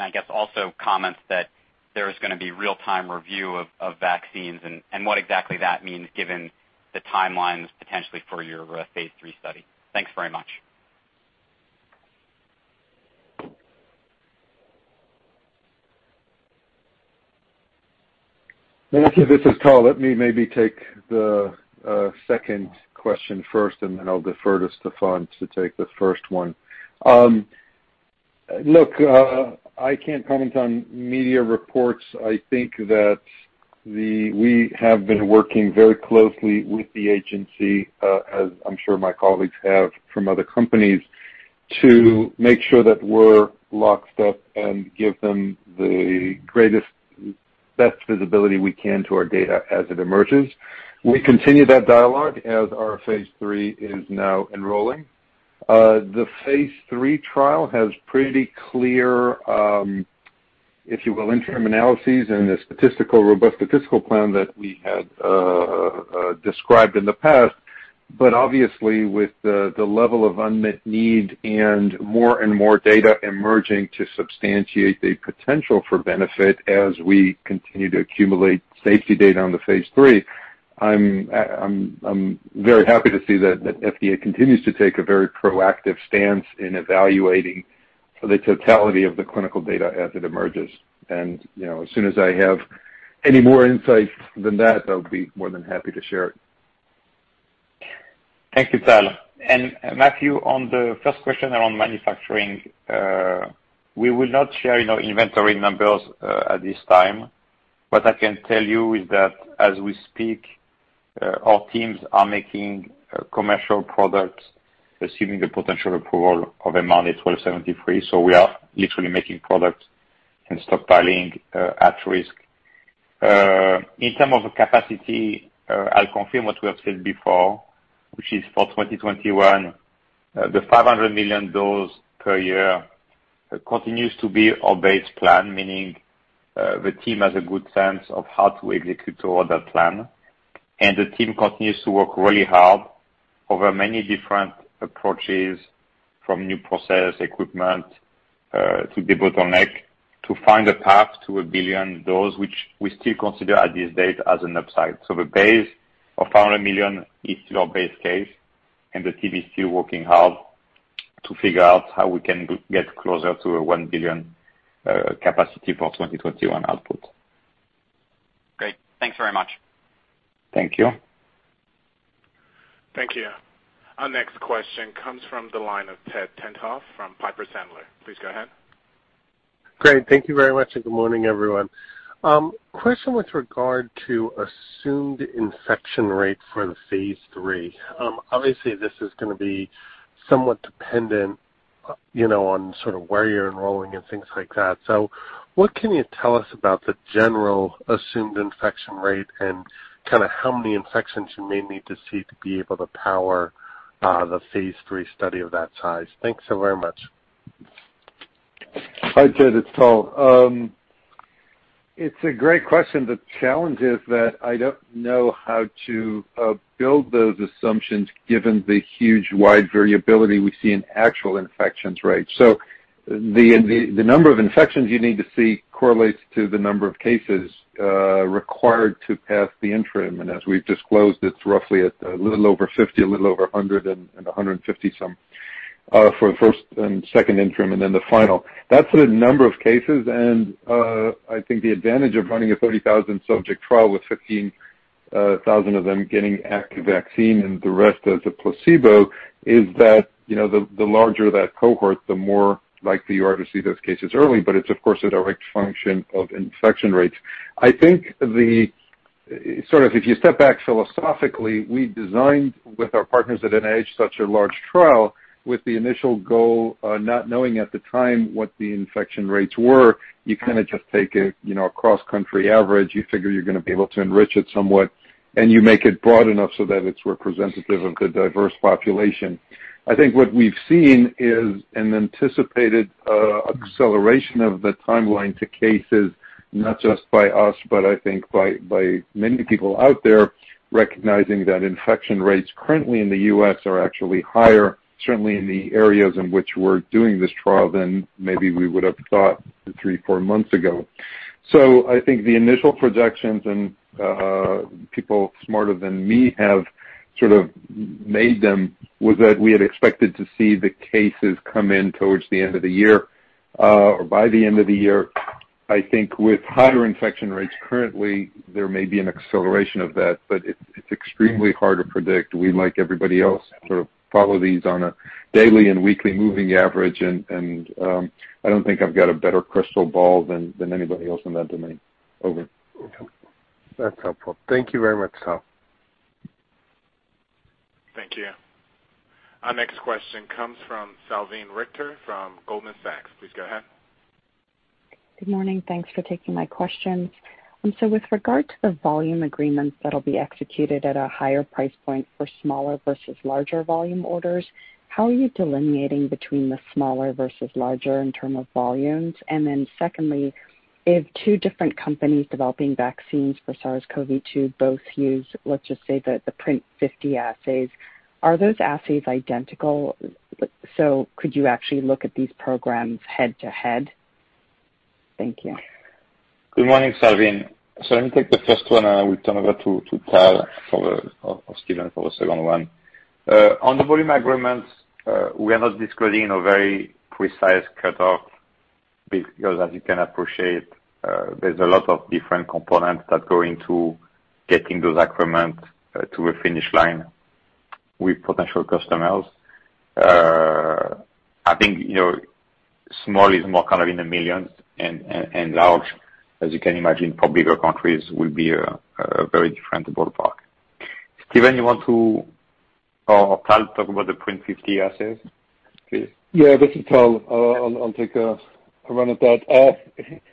I guess also comments that there's going to be real-time review of vaccines, and what exactly that means given the timelines potentially for your phase III study. Thanks very much. Matthew, this is Tal. Let me maybe take the second question first, and then I'll defer to Stéphane to take the first one. Look, I can't comment on media reports. I think that we have been working very closely with the agency, as I'm sure my colleagues have from other companies, to make sure that we're locked up and give them the greatest, best visibility we can to our data as it emerges. We continue that dialogue as our phase III is now enrolling. The phase III trial has pretty clear, if you will, interim analyses and a robust statistical plan that we had described in the past. Obviously with the level of unmet need and more and more data emerging to substantiate the potential for benefit as we continue to accumulate safety data on the phase III, I'm very happy to see that FDA continues to take a very proactive stance in evaluating the totality of the clinical data as it emerges. As soon as I have any more insight than that, I'll be more than happy to share it. Thank you, Tal. Matthew, on the first question around manufacturing, we will not share our inventory numbers at this time. What I can tell you is that as we speak, our teams are making commercial products assuming the potential approval of mRNA-1273. We are literally making products and stockpiling at risk. In term of capacity, I'll confirm what we have said before, which is for 2021, the 500 million dose per year continues to be our base plan, meaning the team has a good sense of how to execute toward that plan. The team continues to work really hard over many different approaches, from new process equipment to the bottleneck, to find a path to a 1 billion dose, which we still consider at this date as an upside. The base of $100 million is still our base case, and the team is still working hard to figure out how we can get closer to a $1 billion capacity for 2021 output. Great. Thanks very much. Thank you. Thank you. Our next question comes from the line of Ted Tenthoff from Piper Sandler. Please go ahead. Great. Thank you very much. Good morning, everyone. Question with regard to assumed infection rate for the phase III. Obviously, this is going to be somewhat dependent on where you're enrolling and things like that. What can you tell us about the general assumed infection rate and how many infections you may need to see to be able to power the phase III study of that size? Thanks so very much. Hi, Ted. It's Tal. It's a great question. The challenge is that I don't know how to build those assumptions given the huge wide variability we see in actual infections rate. The number of infections you need to see correlates to the number of cases required to pass the interim. As we've disclosed, it's roughly at a little over 50, a little over 100, and 150 some for the first and second interim, and then the final. That's the number of cases, and I think the advantage of running a 30,000-subject trial with 15,000 of them getting active vaccine and the rest as a placebo is that, the larger that cohort, the more likely you are to see those cases early. It's of course, a direct function of infection rates. I think if you step back philosophically, we designed with our partners at NIH such a large trial with the initial goal, not knowing at the time what the infection rates were. You kind of just take a cross-country average. You figure you're going to be able to enrich it somewhat, and you make it broad enough so that it's representative of the diverse population. I think what we've seen is an anticipated acceleration of the timeline to cases, not just by us, but I think by many people out there recognizing that infection rates currently in the U.S. are actually higher, certainly in the areas in which we're doing this trial than maybe we would've thought three, four months ago. I think the initial projections, and people smarter than me have made them, was that we had expected to see the cases come in towards the end of the year or by the end of the year. I think with higher infection rates currently, there may be an acceleration of that, but it's extremely hard to predict. We, like everybody else, sort of follow these on a daily and weekly moving average, and I don't think I've got a better crystal ball than anybody else in that domain. That's helpful. Thank you very much, Tal. Thank you. Our next question comes from Salveen Richter from Goldman Sachs. Please go ahead. Good morning. Thanks for taking my questions. With regard to the volume agreements that'll be executed at a higher price point for smaller versus larger volume orders, how are you delineating between the smaller versus larger in term of volumes? Secondly, if two different companies developing vaccines for SARS-CoV-2 both use, let's just say the PRNT50 assays, are those assays identical? Could you actually look at these programs head-to-head? Thank you. Good morning, Salveen. Let me take the first one, and I will turn over to Tal or Stephen for the second one. On the volume agreements, we are not disclosing a very precise cutoff because as you can appreciate, there's a lot of different components that go into getting those agreements to a finish line with potential customers. I think small is more in the millions, and large, as you can imagine, for bigger countries, will be a very different ballpark. Stephen, you want to or Tal, talk about the PRNT50 assays, please. Yeah, this is Tal. I'll take a run at that.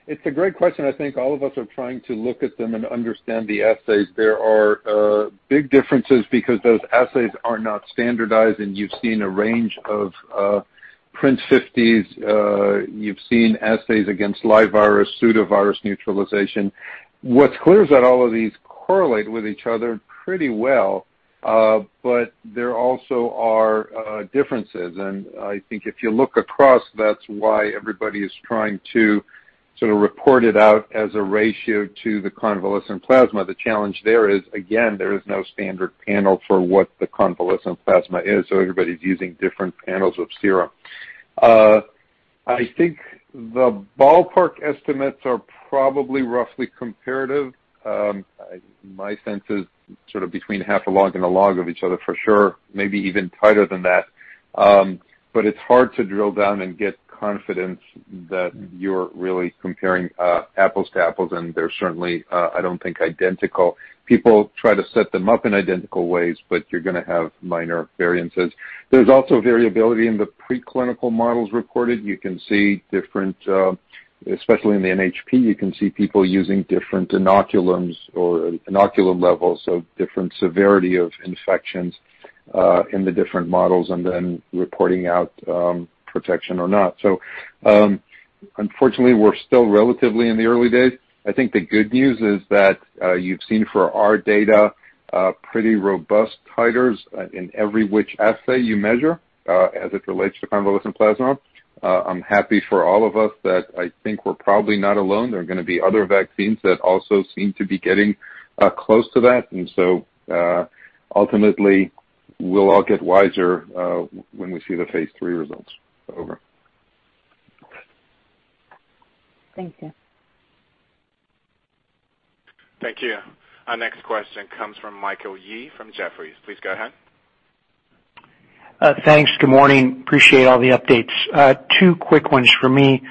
It's a great question. I think all of us are trying to look at them and understand the assays. There are big differences because those assays are not standardized, and you've seen a range of PRNT50s. You've seen assays against live virus, pseudovirus neutralization. What's clear is that all of these correlate with each other pretty well. There also are differences, and I think if you look across, that's why everybody is trying to sort of report it out as a ratio to the convalescent plasma. The challenge there is, again, there is no standard panel for what the convalescent plasma is, so everybody's using different panels of serum. I think the ballpark estimates are probably roughly comparative. My sense is sort of between half a log and one log of each other for sure, maybe even tighter than that. It's hard to drill down and get confidence that you're really comparing apples to apples. They're certainly, I don't think, identical. People try to set them up in identical ways, but you're going to have minor variances. There's also variability in the pre-clinical models reported. You can see different, especially in the NHP, you can see people using different inoculums or inoculum levels, so different severity of infections in the different models, and then reporting out protection or not. Unfortunately, we're still relatively in the early days. I think the good news is that you've seen for our data, pretty robust titers in every which assay you measure, as it relates to convalescent plasma. I'm happy for all of us that I think we're probably not alone. There are going to be other vaccines that also seem to be getting close to that. Ultimately, we'll all get wiser when we see the phase III results. Over. Thank you. Thank you. Our next question comes from Michael Yee from Jefferies. Please go ahead. Thanks. Good morning. Appreciate all the updates. Two quick ones for me.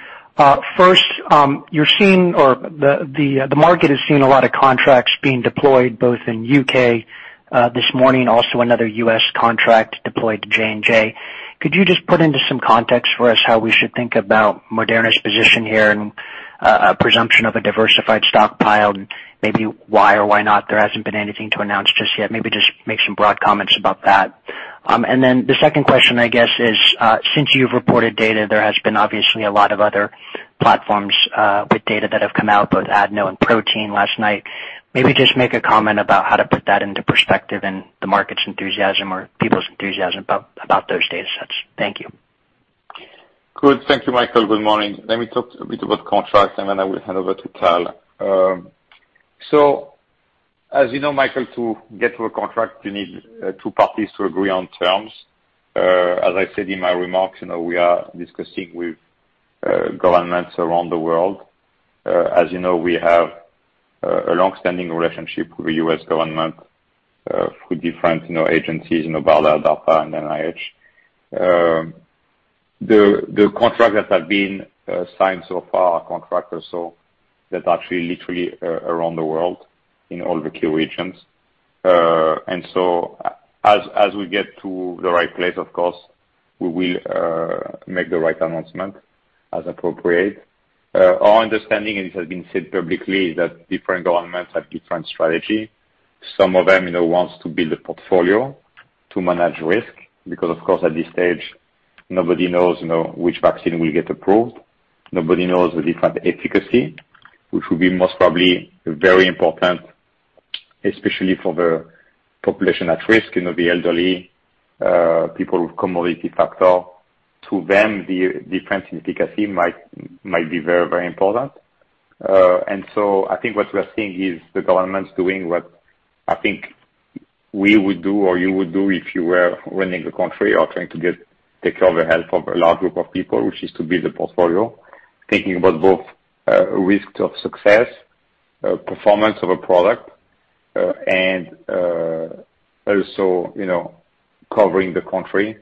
First, the market has seen a lot of contracts being deployed, both in U.K. this morning, also another U.S. contract deployed to J&J. Could you just put into some context for us how we should think about Moderna's position here and a presumption of a diversified stockpile, and maybe why or why not there hasn't been anything to announce just yet. Maybe just make some broad comments about that. The second question, I guess is, since you've reported data, there has been obviously a lot of other platforms with data that have come out, both adeno and protein last night. Maybe just make a comment about how to put that into perspective in the market's enthusiasm or people's enthusiasm about those data sets. Thank you. Good. Thank you, Michael. Good morning. Let me talk a bit about contracts, and then I will hand over to Tal. As you know, Michael, to get to a contract, you need two parties to agree on terms. As I said in my remarks, we are discussing with governments around the world. As you know, we have a long-standing relationship with the U.S. government, with different agencies, BARDA, DARPA, and NIH. The contracts that have been signed so far are contracts or so that actually literally around the world in all the key regions. As we get to the right place, of course, we will make the right announcement as appropriate. Our understanding, and it has been said publicly, that different governments have different strategy. Some of them want to build a portfolio to manage risk, because of course, at this stage, nobody knows which vaccine will get approved. Nobody knows the different efficacy, which will be most probably very important, especially for the population at risk, the elderly, people with comorbidity factor. To them, the difference in efficacy might be very important. I think what we're seeing is the government's doing what I think we would do or you would do if you were running the country or trying to take care of the health of a large group of people, which is to build a portfolio. Thinking about both risk of success, performance of a product, and also covering the country.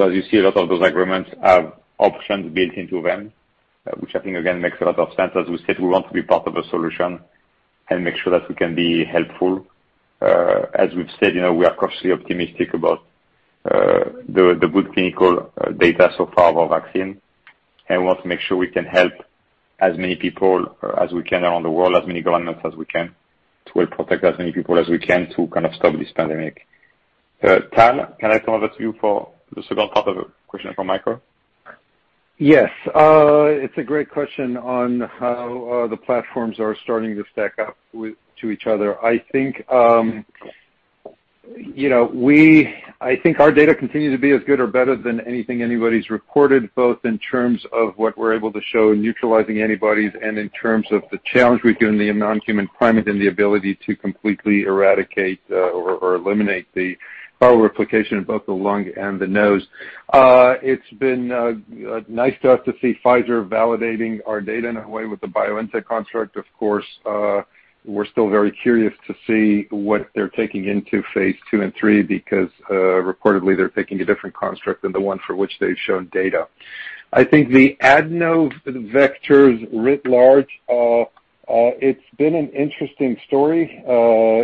As you see, a lot of those agreements have options built into them, which I think again makes a lot of sense. As we said, we want to be part of a solution and make sure that we can be helpful. As we've said, we are cautiously optimistic about the good clinical data so far of our vaccine, and we want to make sure we can help as many people as we can around the world, as many governments as we can, to help protect as many people as we can to kind of stop this pandemic. Tal, can I turn over to you for the second part of the question from Michael? Yes. It's a great question on how the platforms are starting to stack up to each other. I think our data continue to be as good or better than anything anybody's reported, both in terms of what we're able to show in neutralizing antibodies and in terms of the challenge we've given the non-human primate and the ability to completely eradicate or eliminate the viral replication in both the lung and the nose. It's been nice to us to see Pfizer validating our data in a way with the BioNTech construct. Of course, we're still very curious to see what they're taking into phase II and III because reportedly they're taking a different construct than the one for which they've shown data. I think the adeno vectors writ large, it's been an interesting story.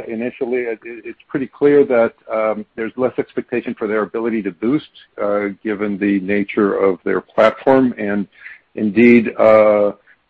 Initially, it's pretty clear that there's less expectation for their ability to boost, given the nature of their platform. Indeed,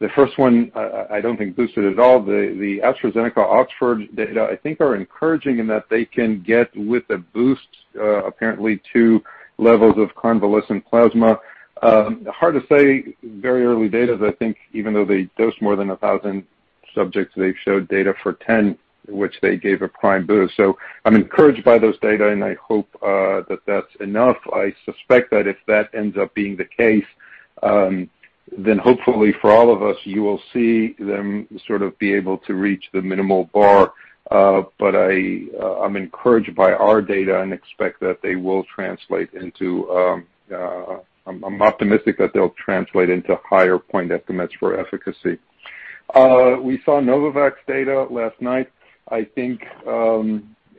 the first one, I don't think boosted at all. The AstraZeneca-Oxford data, I think, are encouraging in that they can get with a boost, apparently to levels of convalescent plasma. Hard to say, very early data. I think even though they dosed more than 1,000 subjects, they've showed data for 10, which they gave a prime boost. I'm encouraged by those data, and I hope that that's enough. I suspect that if that ends up being the case, then hopefully for all of us, you will see them sort of be able to reach the minimal bar. I'm encouraged by our data and I'm optimistic that they'll translate into higher point estimates for efficacy. We saw Novavax data last night. I think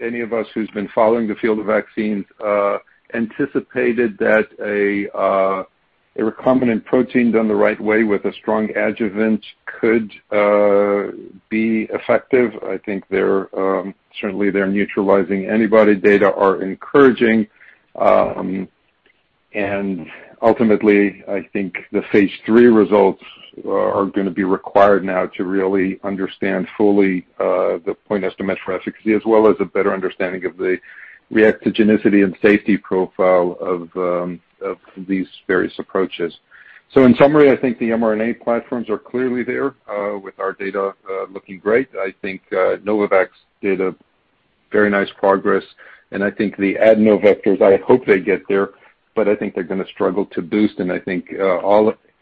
any of us who's been following the field of vaccines anticipated that a recombinant protein done the right way with a strong adjuvant could be effective. I think certainly their neutralizing antibody data are encouraging. Ultimately, I think the phase III results are going to be required now to really understand fully the point estimates for efficacy, as well as a better understanding of the Reactogenicity and safety profile of these various approaches. In summary, I think the mRNA platforms are clearly there with our data looking great. I think Novavax did a very nice progress, and I think the adenovectors, I hope they get there, but I think they're going to struggle to boost. I think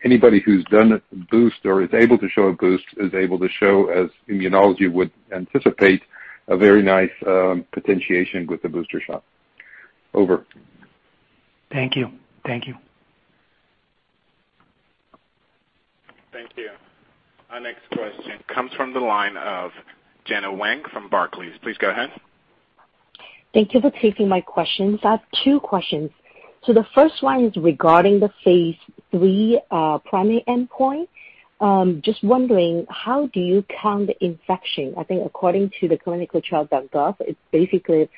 anybody who's done a boost or is able to show a boost, is able to show, as immunology would anticipate, a very nice potentiation with the booster shot. Over. Thank you. Thank you. Our next question comes from the line of Gena Wang from Barclays. Please go ahead. Thank you for taking my questions. I have two questions. The first one is regarding the phase III primary endpoint. Just wondering, how do you count infection? I think according to the ClinicalTrials.gov, it's basically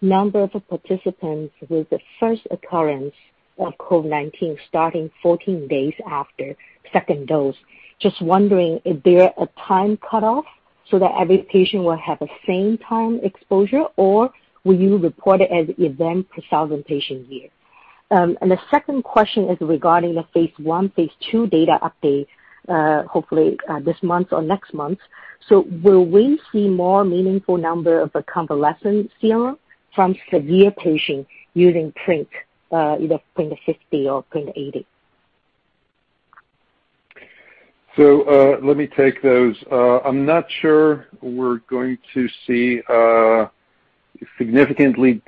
number of participants with the first occurrence of COVID-19 starting 14 days after second dose. Just wondering, is there a time cut off so that every patient will have the same time exposure, or will you report it as event per 1,000 patient year? The second question is regarding the phase I, phase II data update hopefully this month or next month. Will we see more meaningful number of the convalescent serum from severe patients using PRNT, either 0.50 or 0.80? Let me take those. I'm not sure we're going to see significantly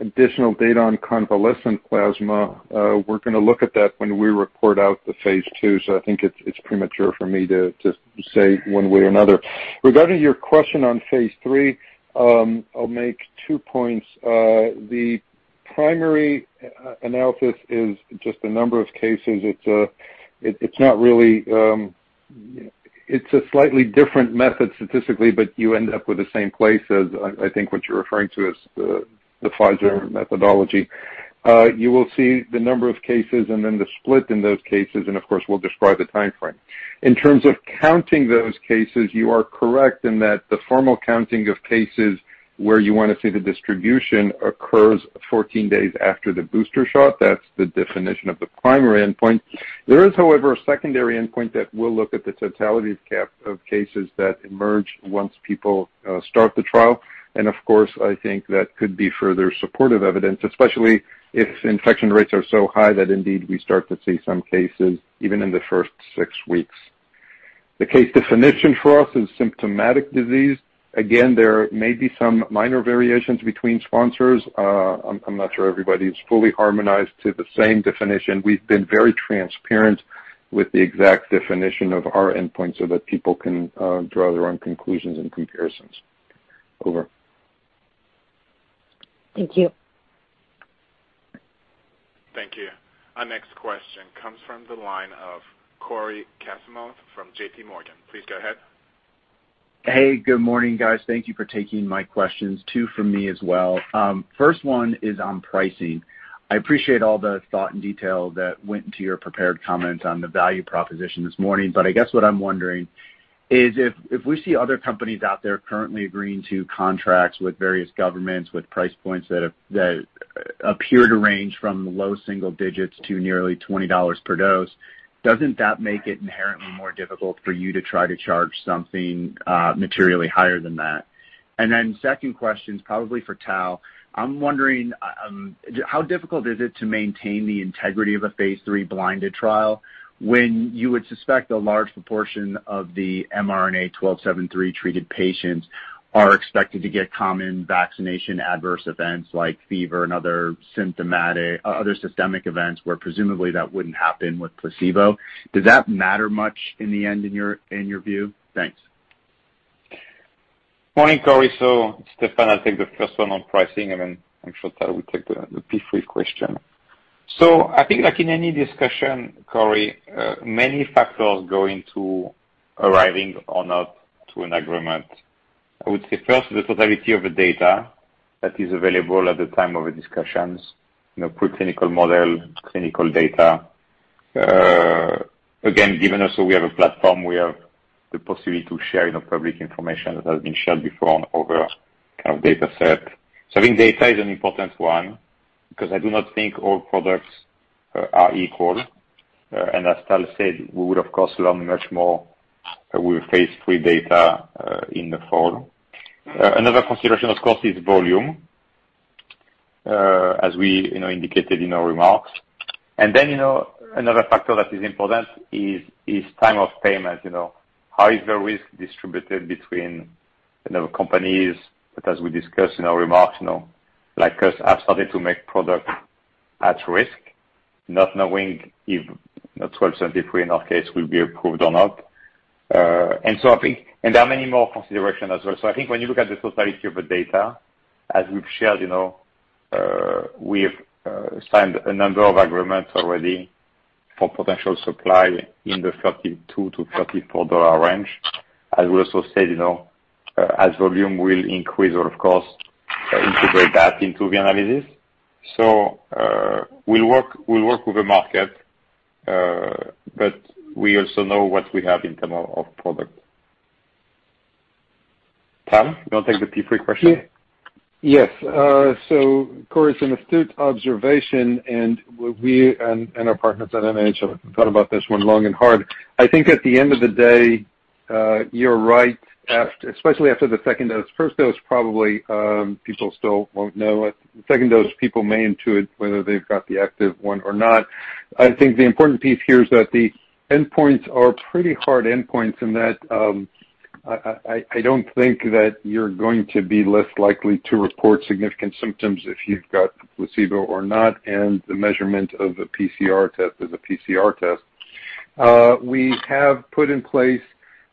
additional data on convalescent plasma. We're going to look at that when we report out the phase II, so I think it's premature for me to say one way or another. Regarding your question on phase III, I'll make two points. The primary analysis is just the number of cases. It's a slightly different method statistically, but you end up with the same place as, I think what you're referring to as, the Pfizer methodology. You will see the number of cases and then the split in those cases, and of course, we'll describe the timeframe. In terms of counting those cases, you are correct in that the formal counting of cases where you want to see the distribution occurs 14 days after the booster shot. That's the definition of the primary endpoint. There is, however, a secondary endpoint that will look at the totality of cases that emerge once people start the trial. Of course, I think that could be further supportive evidence, especially if infection rates are so high that indeed we start to see some cases even in the first six weeks. The case definition for us is symptomatic disease. Again, there may be some minor variations between sponsors. I'm not sure everybody's fully harmonized to the same definition. We've been very transparent with the exact definition of our endpoint so that people can draw their own conclusions and comparisons. Over. Thank you. Thank you. Our next question comes from the line of Cory Kasimov from JPMorgan. Please go ahead. Hey, good morning, guys. Thank you for taking my questions. Two from me as well. First one is on pricing. I appreciate all the thought and detail that went into your prepared comments on the value proposition this morning. I guess what I'm wondering is if we see other companies out there currently agreeing to contracts with various governments with price points that appear to range from low single digits to nearly $20 per dose, doesn't that make it inherently more difficult for you to try to charge something materially higher than that? Then second question is probably for Tal. I'm wondering how difficult is it to maintain the integrity of a phase III blinded trial when you would suspect a large proportion of the mRNA-1273 treated patients are expected to get common vaccination adverse events like fever and other systemic events where presumably that wouldn't happen with placebo. Does that matter much in the end, in your view? Thanks. Morning, Cory. It's Stéphane. I'll take the first one on pricing, then I'm sure Tal will take the phase III question. I think like in any discussion, Cory, many factors go into arriving or not to an agreement. I would say first, the totality of the data that is available at the time of the discussions, pre-clinical model, clinical data. Again, given also we have a platform, we have the possibility to share public information that has been shared before on other kind of data set. I think data is an important one because I do not think all products are equal. As Tal said, we would of course learn much more with phase III data in the fall. Another consideration, of course, is volume, as we indicated in our remarks. Then another factor that is important is time of payment. How is the risk distributed between companies? As we discussed in our remarks, like us have started to make product at risk, not knowing if mRNA-1273 in our case will be approved or not. There are many more considerations as well. I think when you look at the totality of the data, as we've shared, we have signed a number of agreements already for potential supply in the $32-$34 range. As we also said, as volume will increase or of course integrate that into the analysis. We'll work with the market, but we also know what we have in terms of product. Tal, you want to take the phase III question? Yes. Cory, it's an astute observation, and we and our partners at NIH have thought about this one long and hard. I think at the end of the day, you're right, especially after the second dose. First dose, probably people still won't know it. Second dose, people may intuit whether they've got the active one or not. I think the important piece here is that the endpoints are pretty hard endpoints and that I don't think that you're going to be less likely to report significant symptoms if you've got placebo or not, and the measurement of a PCR test is a PCR test. We have put in place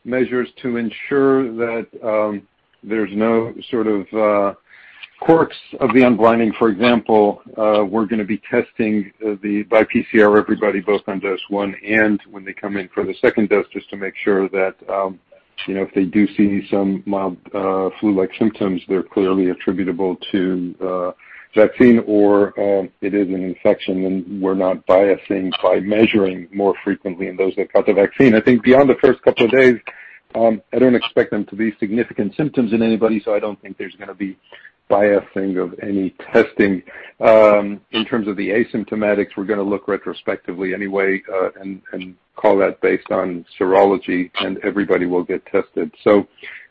measures to ensure that there's no sort of quirks of the unblinding. For example, we're going to be testing by PCR everybody both on dose one and when they come in for the second dose, just to make sure that if they do see some mild flu-like symptoms, they're clearly attributable to vaccine or it is an infection and we're not biasing by measuring more frequently in those that got the vaccine. I think beyond the first couple of days, I don't expect them to be significant symptoms in anybody, so I don't think there's going to be biasing of any testing. In terms of the asymptomatics, we're going to look retrospectively anyway and call that based on serology and everybody will get tested.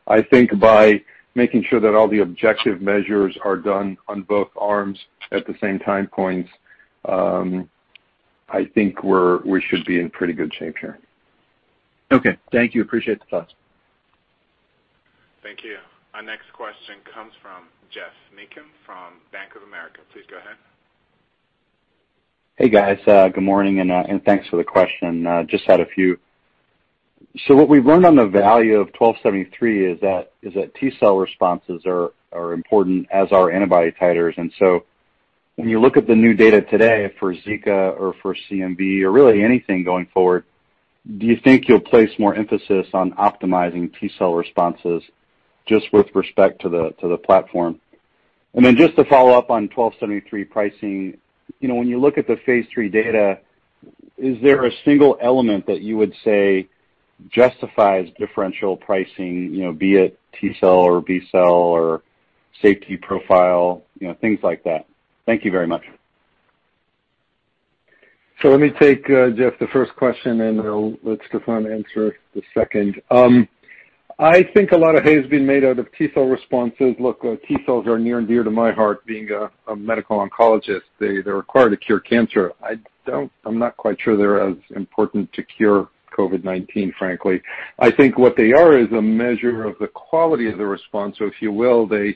I think by making sure that all the objective measures are done on both arms at the same time points, I think we should be in pretty good shape here. Okay. Thank you. Appreciate the thoughts. Thank you. Our next question comes from Geoff Meacham from Bank of America. Please go ahead. Hey, guys. Good morning, and thanks for the question. Just had a few. What we've learned on the value of mRNA-1273 is that T-cell responses are important, as are antibody titers. When you look at the new data today for Zika or for CMV or really anything going forward, do you think you'll place more emphasis on optimizing T-cell responses just with respect to the platform? Just to follow up on mRNA-1273 pricing, when you look at the phase III data, is there a single element that you would say justifies differential pricing, be it T-cell or B-cell or safety profile, things like that? Thank you very much. Let me take, Geoff, the first question, and let Stéphane answer the second. I think a lot of hay has been made out of T-cell responses. Look, T-cells are near and dear to my heart being a medical oncologist. They're required to cure cancer. I'm not quite sure they're as important to cure COVID-19, frankly. I think what they are is a measure of the quality of the response. If you will, the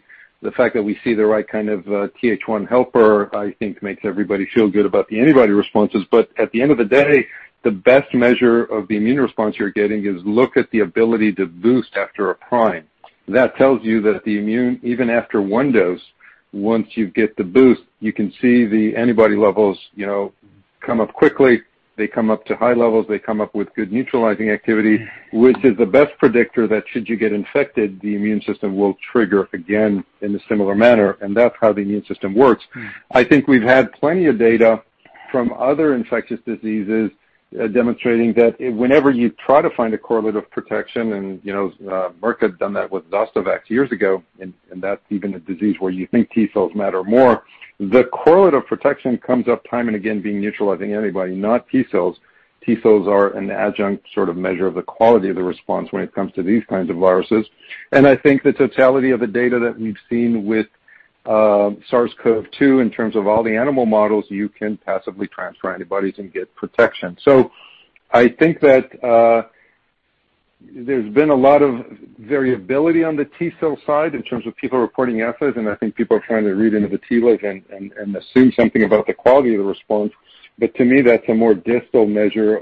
fact that we see the right kind of Th1 helper, I think makes everybody feel good about the antibody responses. At the end of the day, the best measure of the immune response you're getting is look at the ability to boost after a prime. That tells you that even after one dose, once you get the boost, you can see the antibody levels come up quickly. They come up to high levels. They come up with good neutralizing activity, which is the best predictor that should you get infected, the immune system will trigger again in a similar manner, and that's how the immune system works. I think we've had plenty of data from other infectious diseases demonstrating that whenever you try to find a correlate of protection, and Merck had done that with Zostavax years ago, and that's even a disease where you think T-cells matter more. The correlate of protection comes up time and again being neutralizing antibody, not T-cells. T-cells are an adjunct sort of measure of the quality of the response when it comes to these kinds of viruses. I think the totality of the data that we've seen with SARS-CoV-2 in terms of all the animal models, you can passively transfer antibodies and get protection. I think that there's been a lot of variability on the T-cell side in terms of people reporting assays, and I think people are trying to read into the T like and assume something about the quality of the response. To me, that's a more distal measure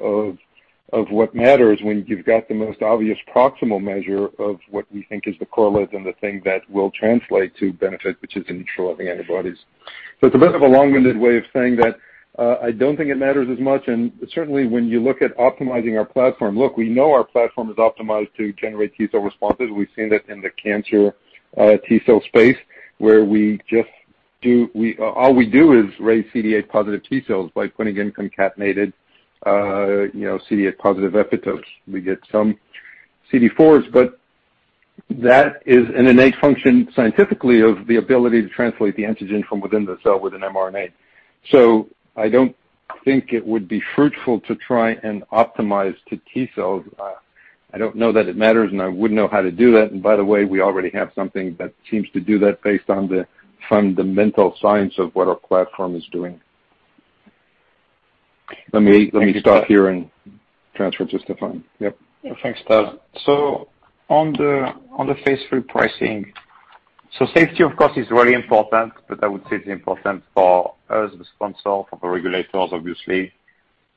of what matters when you've got the most obvious proximal measure of what we think is the correlate and the thing that will translate to benefit, which is neutralizing antibodies. It's a bit of a long-winded way of saying that I don't think it matters as much, and certainly when you look at optimizing our platform, look, we know our platform is optimized to generate T-cell responses. We've seen that in the cancer T-cell space where all we do is raise CD8 positive T-cells by putting in concatenated CD8 positive epitopes. We get some CD4s, but that is an innate function scientifically of the ability to translate the antigen from within the cell with an mRNA. I don't think it would be fruitful to try and optimize to T-cells. I don't know that it matters, and I wouldn't know how to do that. By the way, we already have something that seems to do that based on the fundamental science of what our platform is doing. Let me stop here and transfer to Stéphane. Yep. Thanks, Tal. On the phase III pricing, so safety of course is really important, but I would say it's important for us as a sponsor, for the regulators obviously,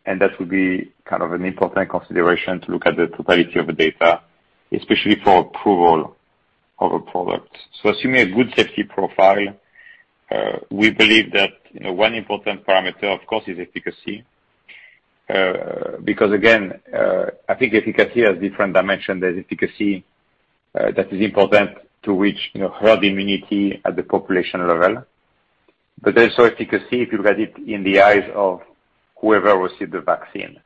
and that would be kind of an important consideration to look at the totality of the data, especially for approval of a product. Assuming a good safety profile, we believe that one important parameter of course is efficacy. Again, I think efficacy has different dimensions. There's efficacy that is important to reach herd immunity at the population level. There's also efficacy if you look at it in the eyes of whoever received the vaccine.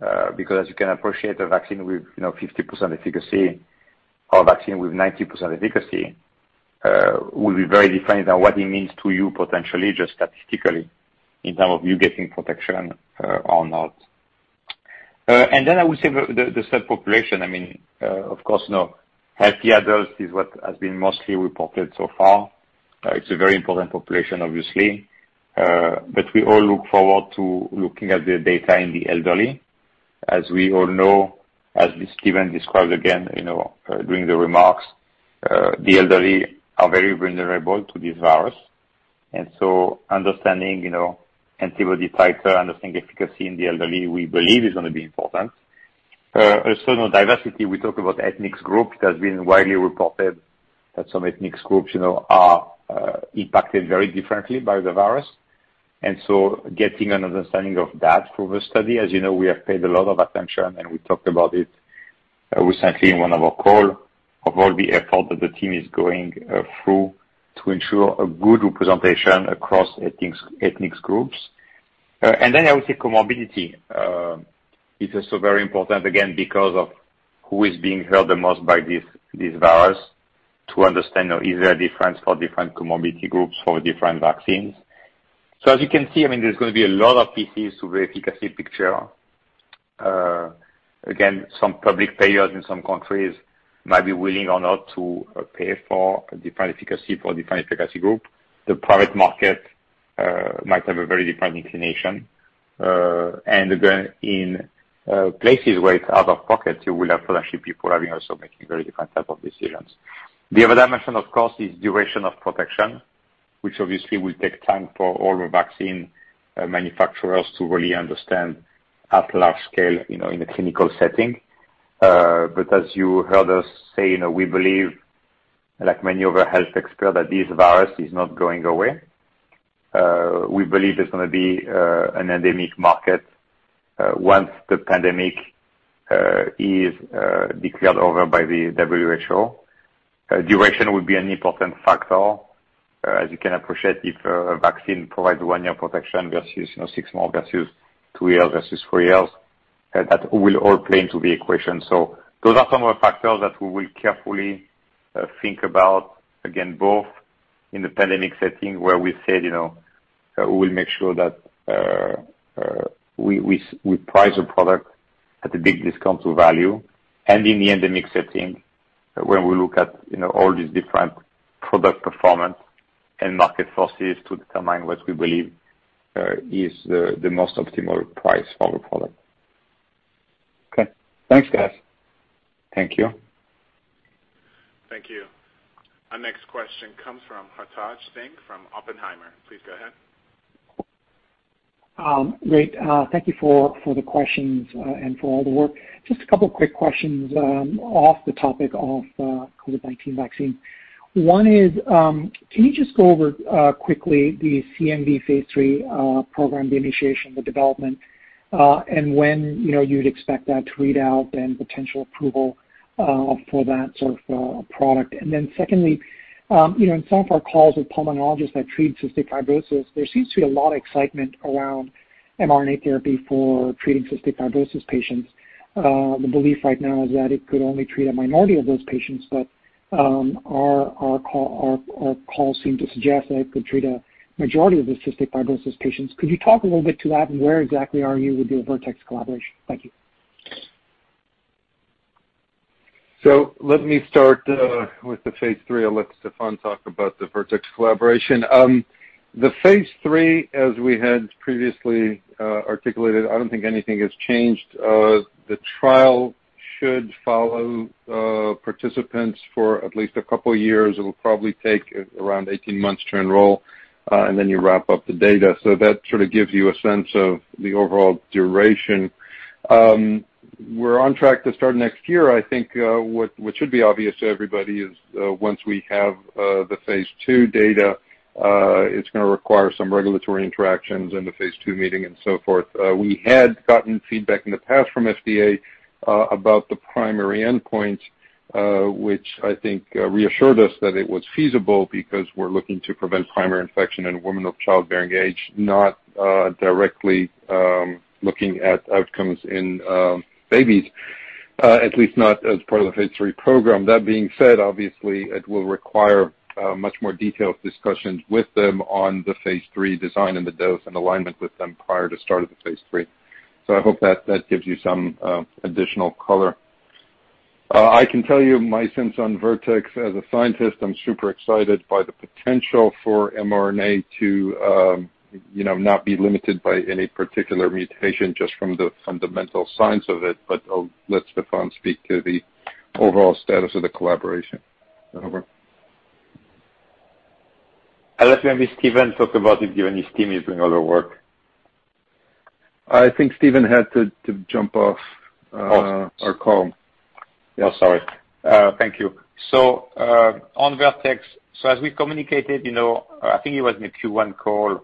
As you can appreciate, a vaccine with 50% efficacy or a vaccine with 90% efficacy will be very different than what it means to you potentially, just statistically, in terms of you getting protection or not. I would say the third population, of course, healthy adults is what has been mostly reported so far. It's a very important population, obviously. We all look forward to looking at the data in the elderly. As we all know, as Stephen described again during the remarks, the elderly are very vulnerable to this virus, understanding antibody titer, understanding efficacy in the elderly, we believe is going to be important. Also now diversity, we talk about ethnic groups. It has been widely reported that some ethnic groups are impacted very differently by the virus. Getting an understanding of that through the study. As you know, we have paid a lot of attention, we talked about it recently in one of our call, of all the effort that the team is going through to ensure a good representation across ethnic groups. Then I would say comorbidity. It is also very important, again, because of who is being hurt the most by this virus to understand is there a difference for different comorbidity groups, for different vaccines. As you can see, there's going to be a lot of pieces to the efficacy picture. Again, some public payers in some countries might be willing or not to pay for a different efficacy for a different efficacy group. The private market might have a very different inclination. Again, in places where it's out of pocket, you will have potentially people having also making very different types of decisions. The other dimension, of course, is duration of protection, which obviously will take time for all the vaccine manufacturers to really understand at large scale, in a clinical setting. As you heard us say, we believe, like many other health experts, that this virus is not going away. We believe it's going to be an endemic market once the pandemic is declared over by the WHO. Duration will be an important factor. As you can appreciate, if a vaccine provides one-year protection versus six months versus two years versus three years, that will all play into the equation. Those are some of the factors that we will carefully think about, again, both in the pandemic setting where we said we will make sure that we price a product at a big discount to value. In the endemic setting, when we look at all these different product performance and market forces to determine what we believe is the most optimal price for the product. Okay. Thanks, guys. Thank you. Thank you. Our next question comes from Hartaj Singh from Oppenheimer. Please go ahead. Great. Thank you for the questions and for all the work. Just a couple of quick questions off the topic of COVID-19 vaccine. One is, can you just go over quickly the CMV phase III program, the initiation, the development, and when you'd expect that to read out and potential approval for that sort of product? Secondly, in some of our calls with pulmonologists that treat cystic fibrosis, there seems to be a lot of excitement around mRNA therapy for treating cystic fibrosis patients. The belief right now is that it could only treat a minority of those patients, but our calls seem to suggest that it could treat a majority of the cystic fibrosis patients. Could you talk a little bit to that, and where exactly are you with your Vertex collaboration? Thank you. Let me start with the phase III. I'll let Stéphane talk about the Vertex collaboration. The phase III, as we had previously articulated, I don't think anything has changed. The trial should follow participants for at least a couple of years. It'll probably take around 18 months to enroll, and then you wrap up the data. That sort of gives you a sense of the overall duration. We're on track to start next year. I think what should be obvious to everybody is once we have the phase II data, it's going to require some regulatory interactions in the phase II meeting and so forth. We had gotten feedback in the past from FDA about the primary endpoint, which I think reassured us that it was feasible because we're looking to prevent primary infection in women of childbearing age, not directly looking at outcomes in babies, at least not as part of the phase III program. Obviously, it will require much more detailed discussions with them on the phase III design and the dose and alignment with them prior to start of the phase III. I hope that gives you some additional color. I can tell you my sense on Vertex. As a scientist, I'm super excited by the potential for mRNA to not be limited by any particular mutation just from the fundamental science of it. I'll let Stéphane speak to the overall status of the collaboration. Over. I'll let maybe Stephen talk about it, given his team is doing all the work. I think Stephen had to jump off our call. Yeah, sorry. Thank you. On Vertex, as we communicated, I think it was in the Q1 call,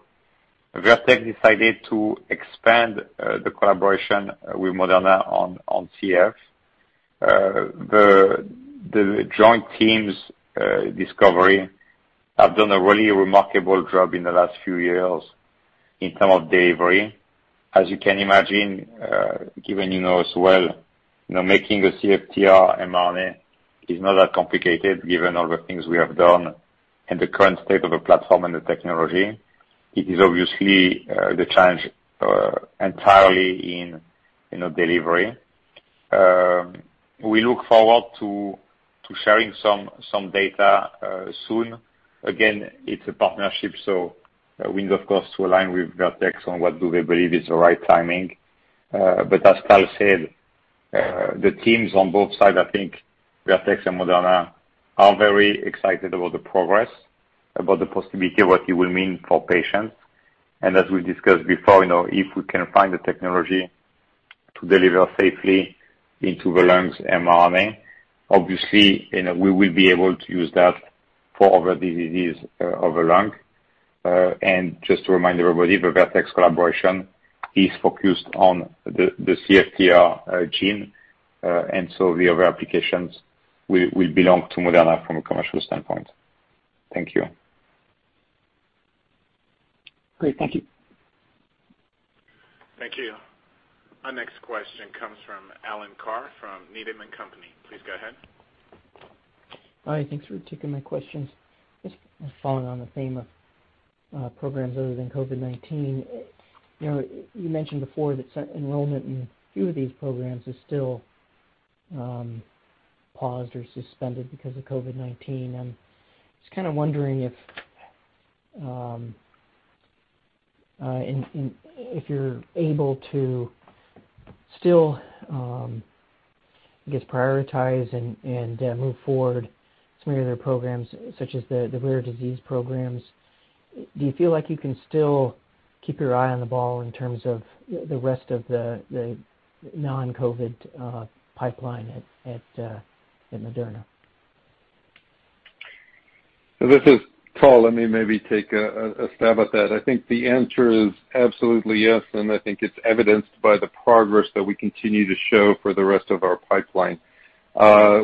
Vertex decided to expand the collaboration with Moderna on CF. The joint teams discovery have done a really remarkable job in the last few years in term of delivery. You can imagine, given you know as well, making a CFTR mRNA is not that complicated given all the things we have done in the current state of the platform and the technology. It is obviously the challenge entirely in delivery. We look forward to sharing some data soon. It's a partnership, so we need, of course, to align with Vertex on what do they believe is the right timing. As Tal said, the teams on both sides, I think Vertex and Moderna, are very excited about the progress, about the possibility, what it will mean for patients. As we discussed before, if we can find a technology to deliver safely into the lungs mRNA, obviously, we will be able to use that for other diseases of the lung. Just to remind everybody, the Vertex collaboration is focused on the CFTR gene. The other applications will belong to Moderna from a commercial standpoint. Thank you. Great. Thank you. Thank you. Our next question comes from Alan Carr from Needham & Company. Please go ahead. Hi, thanks for taking my questions. Just following on the theme of programs other than COVID-19. You mentioned before that certain enrollment in a few of these programs is still paused or suspended because of COVID-19. I'm just kind of wondering if you're able to still, I guess, prioritize and move forward some of your other programs, such as the rare disease programs. Do you feel like you can still keep your eye on the ball in terms of the rest of the non-COVID pipeline at Moderna? This is Tal. Let me maybe take a stab at that. I think the answer is absolutely yes, and I think it's evidenced by the progress that we continue to show for the rest of our pipeline.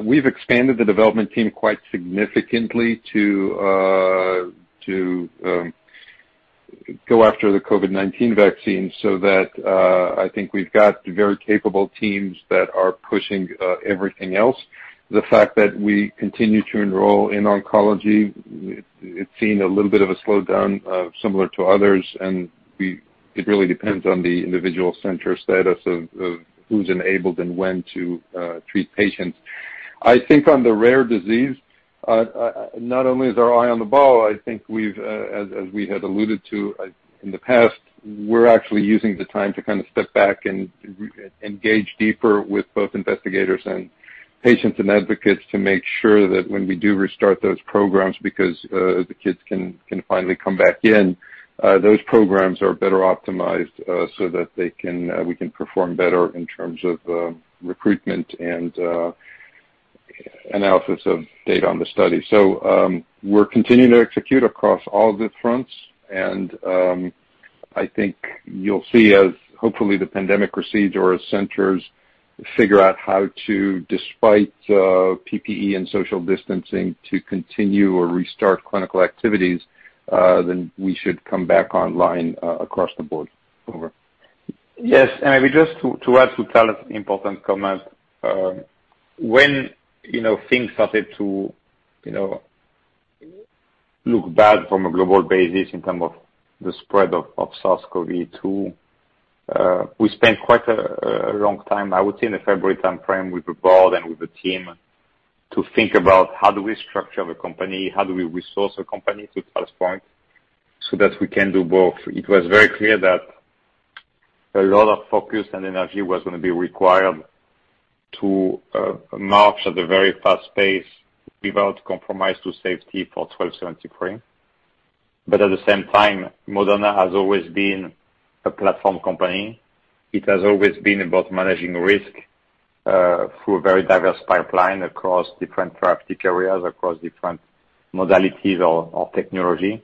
We've expanded the development team quite significantly to go after the COVID-19 vaccine, so that I think we've got very capable teams that are pushing everything else. The fact that we continue to enroll in oncology, it's seen a little bit of a slowdown, similar to others, and it really depends on the individual center status of who's enabled and when to treat patients. I think on the rare disease, not only is our eye on the ball, I think we've, as we had alluded to in the past, we're actually using the time to kind of step back and engage deeper with both investigators and patients and advocates to make sure that when we do restart those programs, because the kids can finally come back in, those programs are better optimized so that we can perform better in terms of recruitment and analysis of data on the study. We're continuing to execute across all the fronts, and I think you'll see as hopefully the pandemic recedes or as centers figure out how to, despite PPE and social distancing, to continue or restart clinical activities, then we should come back online across the board. Over. Yes, just to add to Tal's important comment. When things started to look bad from a global basis in terms of the spread of SARS-CoV-2, we spent quite a long time, I would say in the February timeframe, with the board and with the team to think about how do we structure the company, how do we resource the company to Tal's point, so that we can do both. It was very clear that a lot of focus and energy was going to be required to march at a very fast pace without compromise to safety for 1273. At the same time, Moderna has always been a platform company. It has always been about managing risk through a very diverse pipeline across different therapeutic areas, across different modalities or technology,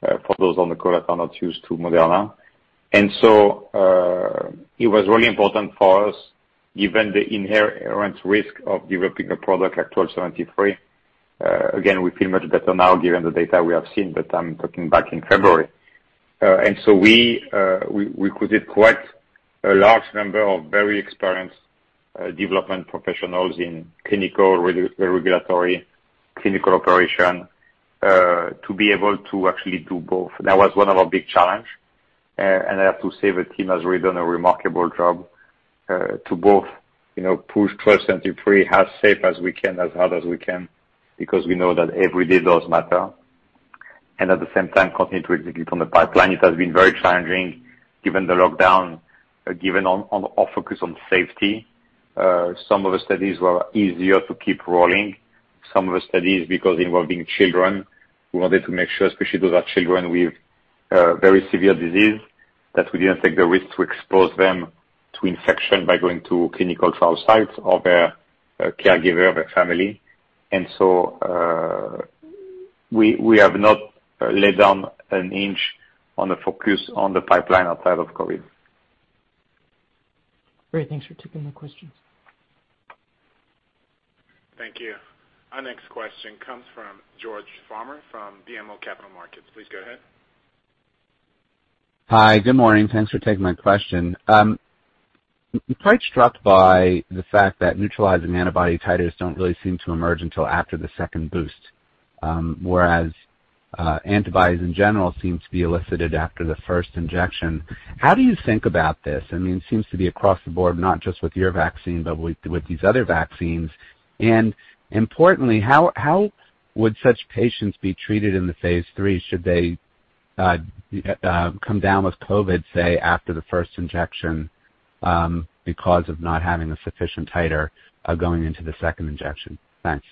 for those on the call that are not used to Moderna. It was really important for us, given the inherent risk of developing a product like mRNA-1273. Again, we feel much better now given the data we have seen, but I'm talking back in February. We recruited quite a large number of very experienced development professionals in clinical regulatory, clinical operation, to be able to actually do both. That was one of our big challenge. I have to say, the team has really done a remarkable job to both push mRNA-1273 as safe as we can, as hard as we can, because we know that every day does matter, and at the same time, continue to execute on the pipeline. It has been very challenging, given the lockdown, given our focus on safety. Some of the studies were easier to keep rolling. Some of the studies, because involving children, we wanted to make sure, especially those are children with very severe disease. That we didn't take the risk to expose them to infection by going to clinical trial sites or their caregiver, their family. We have not let down an inch on the focus on the pipeline outside of COVID. Great. Thanks for taking the questions. Thank you. Our next question comes from George Farmer from BMO Capital Markets. Please go ahead. Hi, good morning. Thanks for taking my question. I'm quite struck by the fact that neutralizing antibody titers don't really seem to emerge until after the second boost. Whereas, antibodies in general seem to be elicited after the first injection. How do you think about this? It seems to be across the board, not just with your vaccine, but with these other vaccines, and importantly, how would such patients be treated in the phase III should they come down with COVID-19, say after the first injection, because of not having a sufficient titer going into the second injection? Thanks.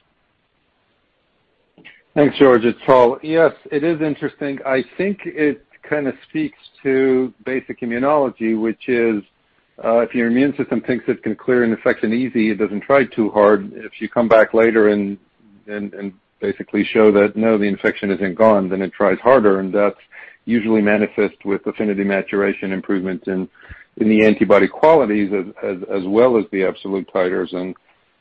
Thanks, George. It's Tal. It is interesting. I think it kind of speaks to basic immunology, which is if your immune system thinks it can clear an infection easy, it doesn't try too hard. If you come back later and basically show that no, the infection isn't gone, then it tries harder, and that's usually manifest with affinity maturation improvements in the antibody qualities as well as the absolute titers.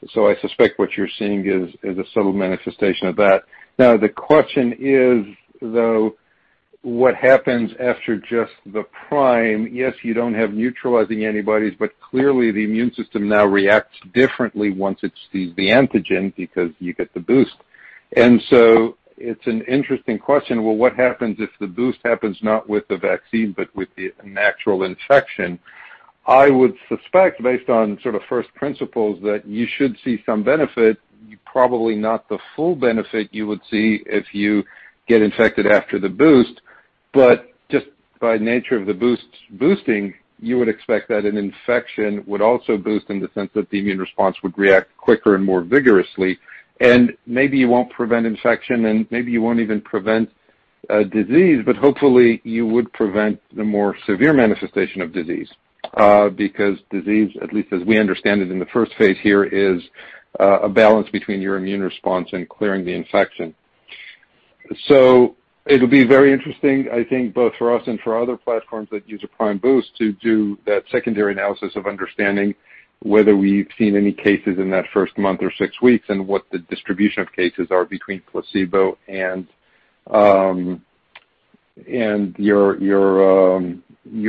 I suspect what you're seeing is a subtle manifestation of that. The question is, though, what happens after just the prime? You don't have neutralizing antibodies, clearly the immune system now reacts differently once it sees the antigen because you get the boost. It's an interesting question. What happens if the boost happens not with the vaccine but with the natural infection? I would suspect, based on sort of first principles, that you should see some benefit, probably not the full benefit you would see if you get infected after the boost. Just by nature of the boosting, you would expect that an infection would also boost in the sense that the immune response would react quicker and more vigorously. Maybe you won't prevent infection, and maybe you won't even prevent a disease, but hopefully you would prevent the more severe manifestation of disease. Disease, at least as we understand it in the first phase here, is a balance between your immune response and clearing the infection. It'll be very interesting, I think, both for us and for other platforms that use a prime boost to do that secondary analysis of understanding whether we've seen any cases in that first month or six weeks, and what the distribution of cases are between placebo and your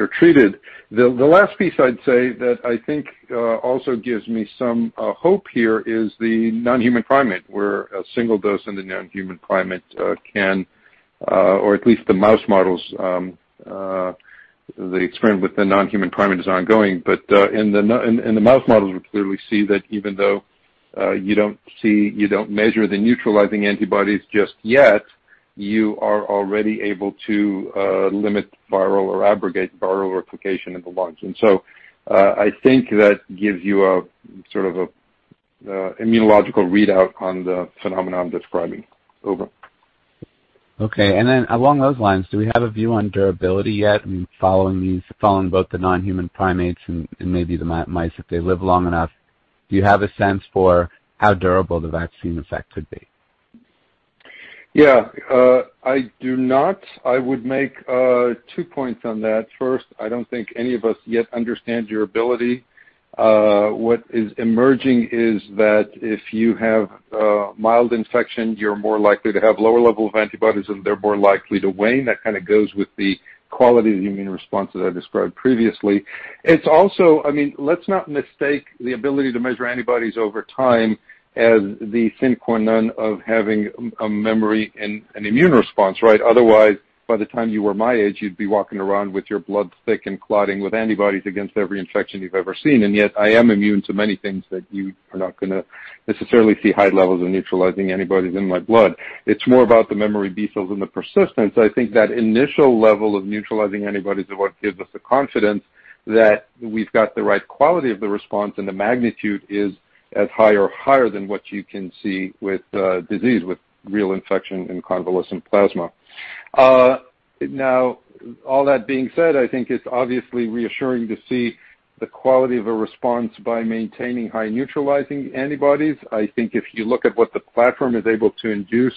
treated. The last piece I'd say that I think also gives me some hope here is the non-human primate, where a single dose in the non-human primate can or at least the mouse models. The experiment with the non-human primate is ongoing. In the mouse models, we clearly see that even though you don't measure the neutralizing antibodies just yet, you are already able to limit viral or abrogate viral replication in the lungs. I think that gives you sort of a immunological readout on the phenomenon I'm describing. Over. Okay. Along those lines, do we have a view on durability yet following both the non-human primates and maybe the mice, if they live long enough? Do you have a sense for how durable the vaccine effect could be? Yeah. I do not. I would make two points on that. First, I don't think any of us yet understand durability. What is emerging is that if you have a mild infection, you're more likely to have lower levels of antibodies, and they're more likely to wane. That kind of goes with the quality of the immune response as I described previously. It's also, let's not mistake the ability to measure antibodies over time as the sine qua non of having a memory and an immune response, right? Otherwise, by the time you were my age, you'd be walking around with your blood thick and clotting with antibodies against every infection you've ever seen. Yet, I am immune to many things that you are not going to necessarily see high levels of neutralizing antibodies in my blood. It's more about the memory B cells and the persistence. I think that initial level of neutralizing antibodies are what gives us the confidence that we've got the right quality of the response, and the magnitude is as high or higher than what you can see with disease, with real infection and convalescent plasma. All that being said, I think it's obviously reassuring to see the quality of a response by maintaining high neutralizing antibodies. I think if you look at what the platform is able to induce,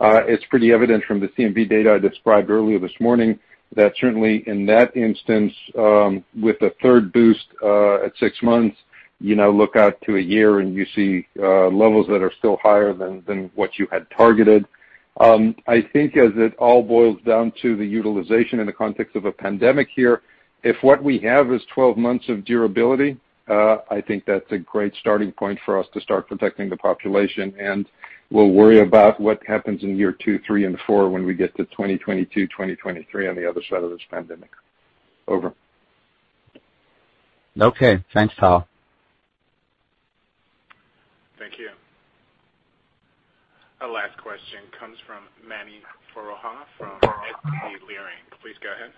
it's pretty evident from the CMV data I described earlier this morning that certainly in that instance with a third boost at six months, look out to a year and you see levels that are still higher than what you had targeted. I think as it all boils down to the utilization in the context of a pandemic here, if what we have is 12 months of durability, I think that's a great starting point for us to start protecting the population. We'll worry about what happens in year two, three, and four when we get to 2022, 2023 on the other side of this pandemic. Over. Okay. Thanks, Tal. Thank you. Our last question comes from Mani Foroohar from SVB Leerink. Please go ahead.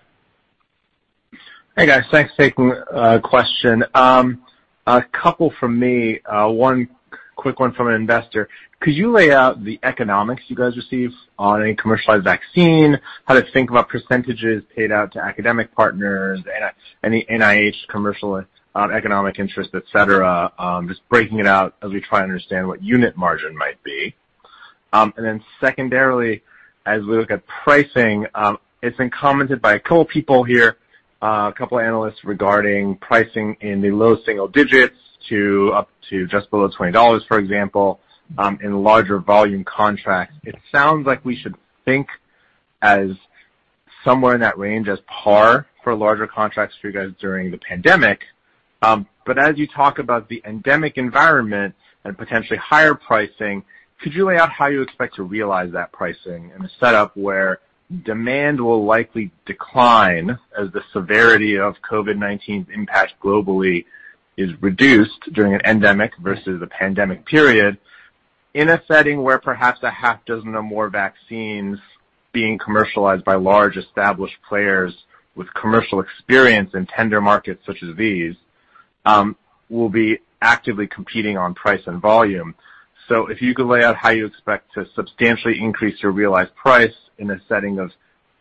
Hey, guys. Thanks for taking a question. A couple from me. One quick one from an investor. Could you lay out the economics you guys receive on a commercialized vaccine, how to think about percentages paid out to academic partners, any NIH commercial economic interest, et cetera? Just breaking it out as we try and understand what unit margin might be. Secondarily, as we look at pricing, it's been commented by a couple of people here, a couple of analysts, regarding pricing in the low single digits to up to just below $20, for example, in larger volume contracts. It sounds like we should think as somewhere in that range as par for larger contracts for you guys during the pandemic. As you talk about the endemic environment and potentially higher pricing, could you lay out how you expect to realize that pricing in a setup where demand will likely decline as the severity of COVID-19's impact globally is reduced during an endemic versus a pandemic period, in a setting where perhaps a half dozen or more vaccines being commercialized by large, established players with commercial experience in tender markets such as these, will be actively competing on price and volume. If you could lay out how you expect to substantially increase your realized price in a setting of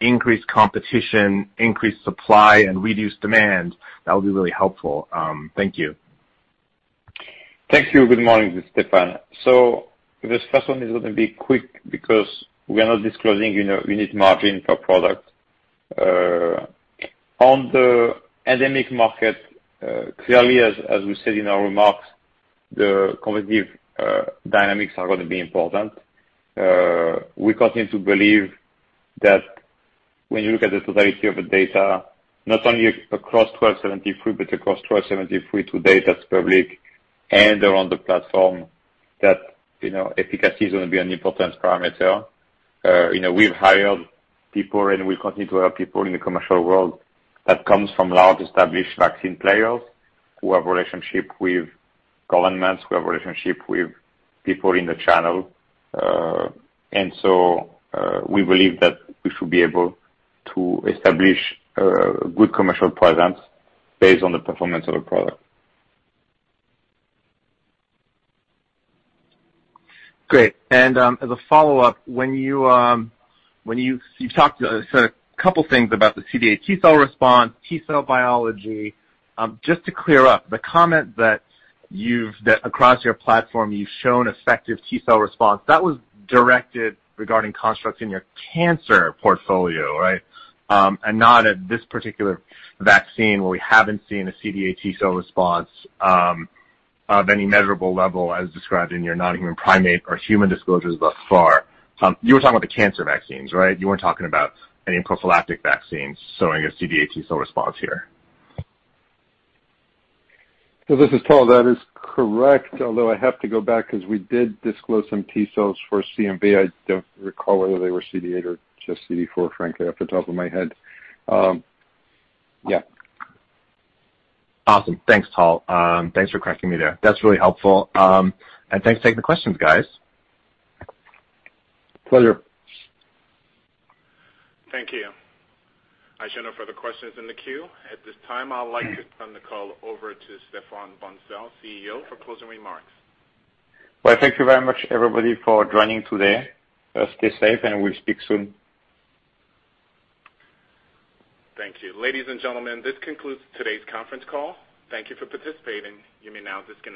increased competition, increased supply, and reduced demand, that would be really helpful. Thank you. Thank you. Good morning. This is Stéphane. This first one is going to be quick because we are not disclosing unit margin per product. On the endemic market, clearly, as we said in our remarks, the competitive dynamics are going to be important. We continue to believe that when you look at the totality of the data, not only across 1273, but across 1273 to date that's public and around the platform, that efficacy is going to be an important parameter. We've hired people, and we continue to hire people in the commercial world that comes from large established vaccine players who have relationship with governments, who have relationship with people in the channel. We believe that we should be able to establish a good commercial presence based on the performance of the product. Great. As a follow-up, you've said a couple things about the CD8 T cell response, T cell biology. Just to clear up, the comment that across your platform, you've shown effective T cell response, that was directed regarding constructs in your cancer portfolio, right? Not at this particular vaccine where we haven't seen a CD8 T cell response of any measurable level as described in your non-human primate or human disclosures thus far. You were talking about the cancer vaccines, right? You weren't talking about any prophylactic vaccines showing a CD8 T cell response here. This is Tal. That is correct, although I have to go back because we did disclose some T cells for CMV. I don't recall whether they were CD8 or just CD4, frankly, off the top of my head. Yeah. Awesome. Thanks, Tal. Thanks for correcting me there. That's really helpful. Thanks for taking the questions, guys. Pleasure. Thank you. I show no further questions in the queue. At this time, I would like to turn the call over to Stéphane Bancel, CEO, for closing remarks. Well, thank you very much, everybody, for joining today. Stay safe, and we'll speak soon. Thank you. Ladies and gentlemen, this concludes today's conference call. Thank you for participating. You may now disconnect.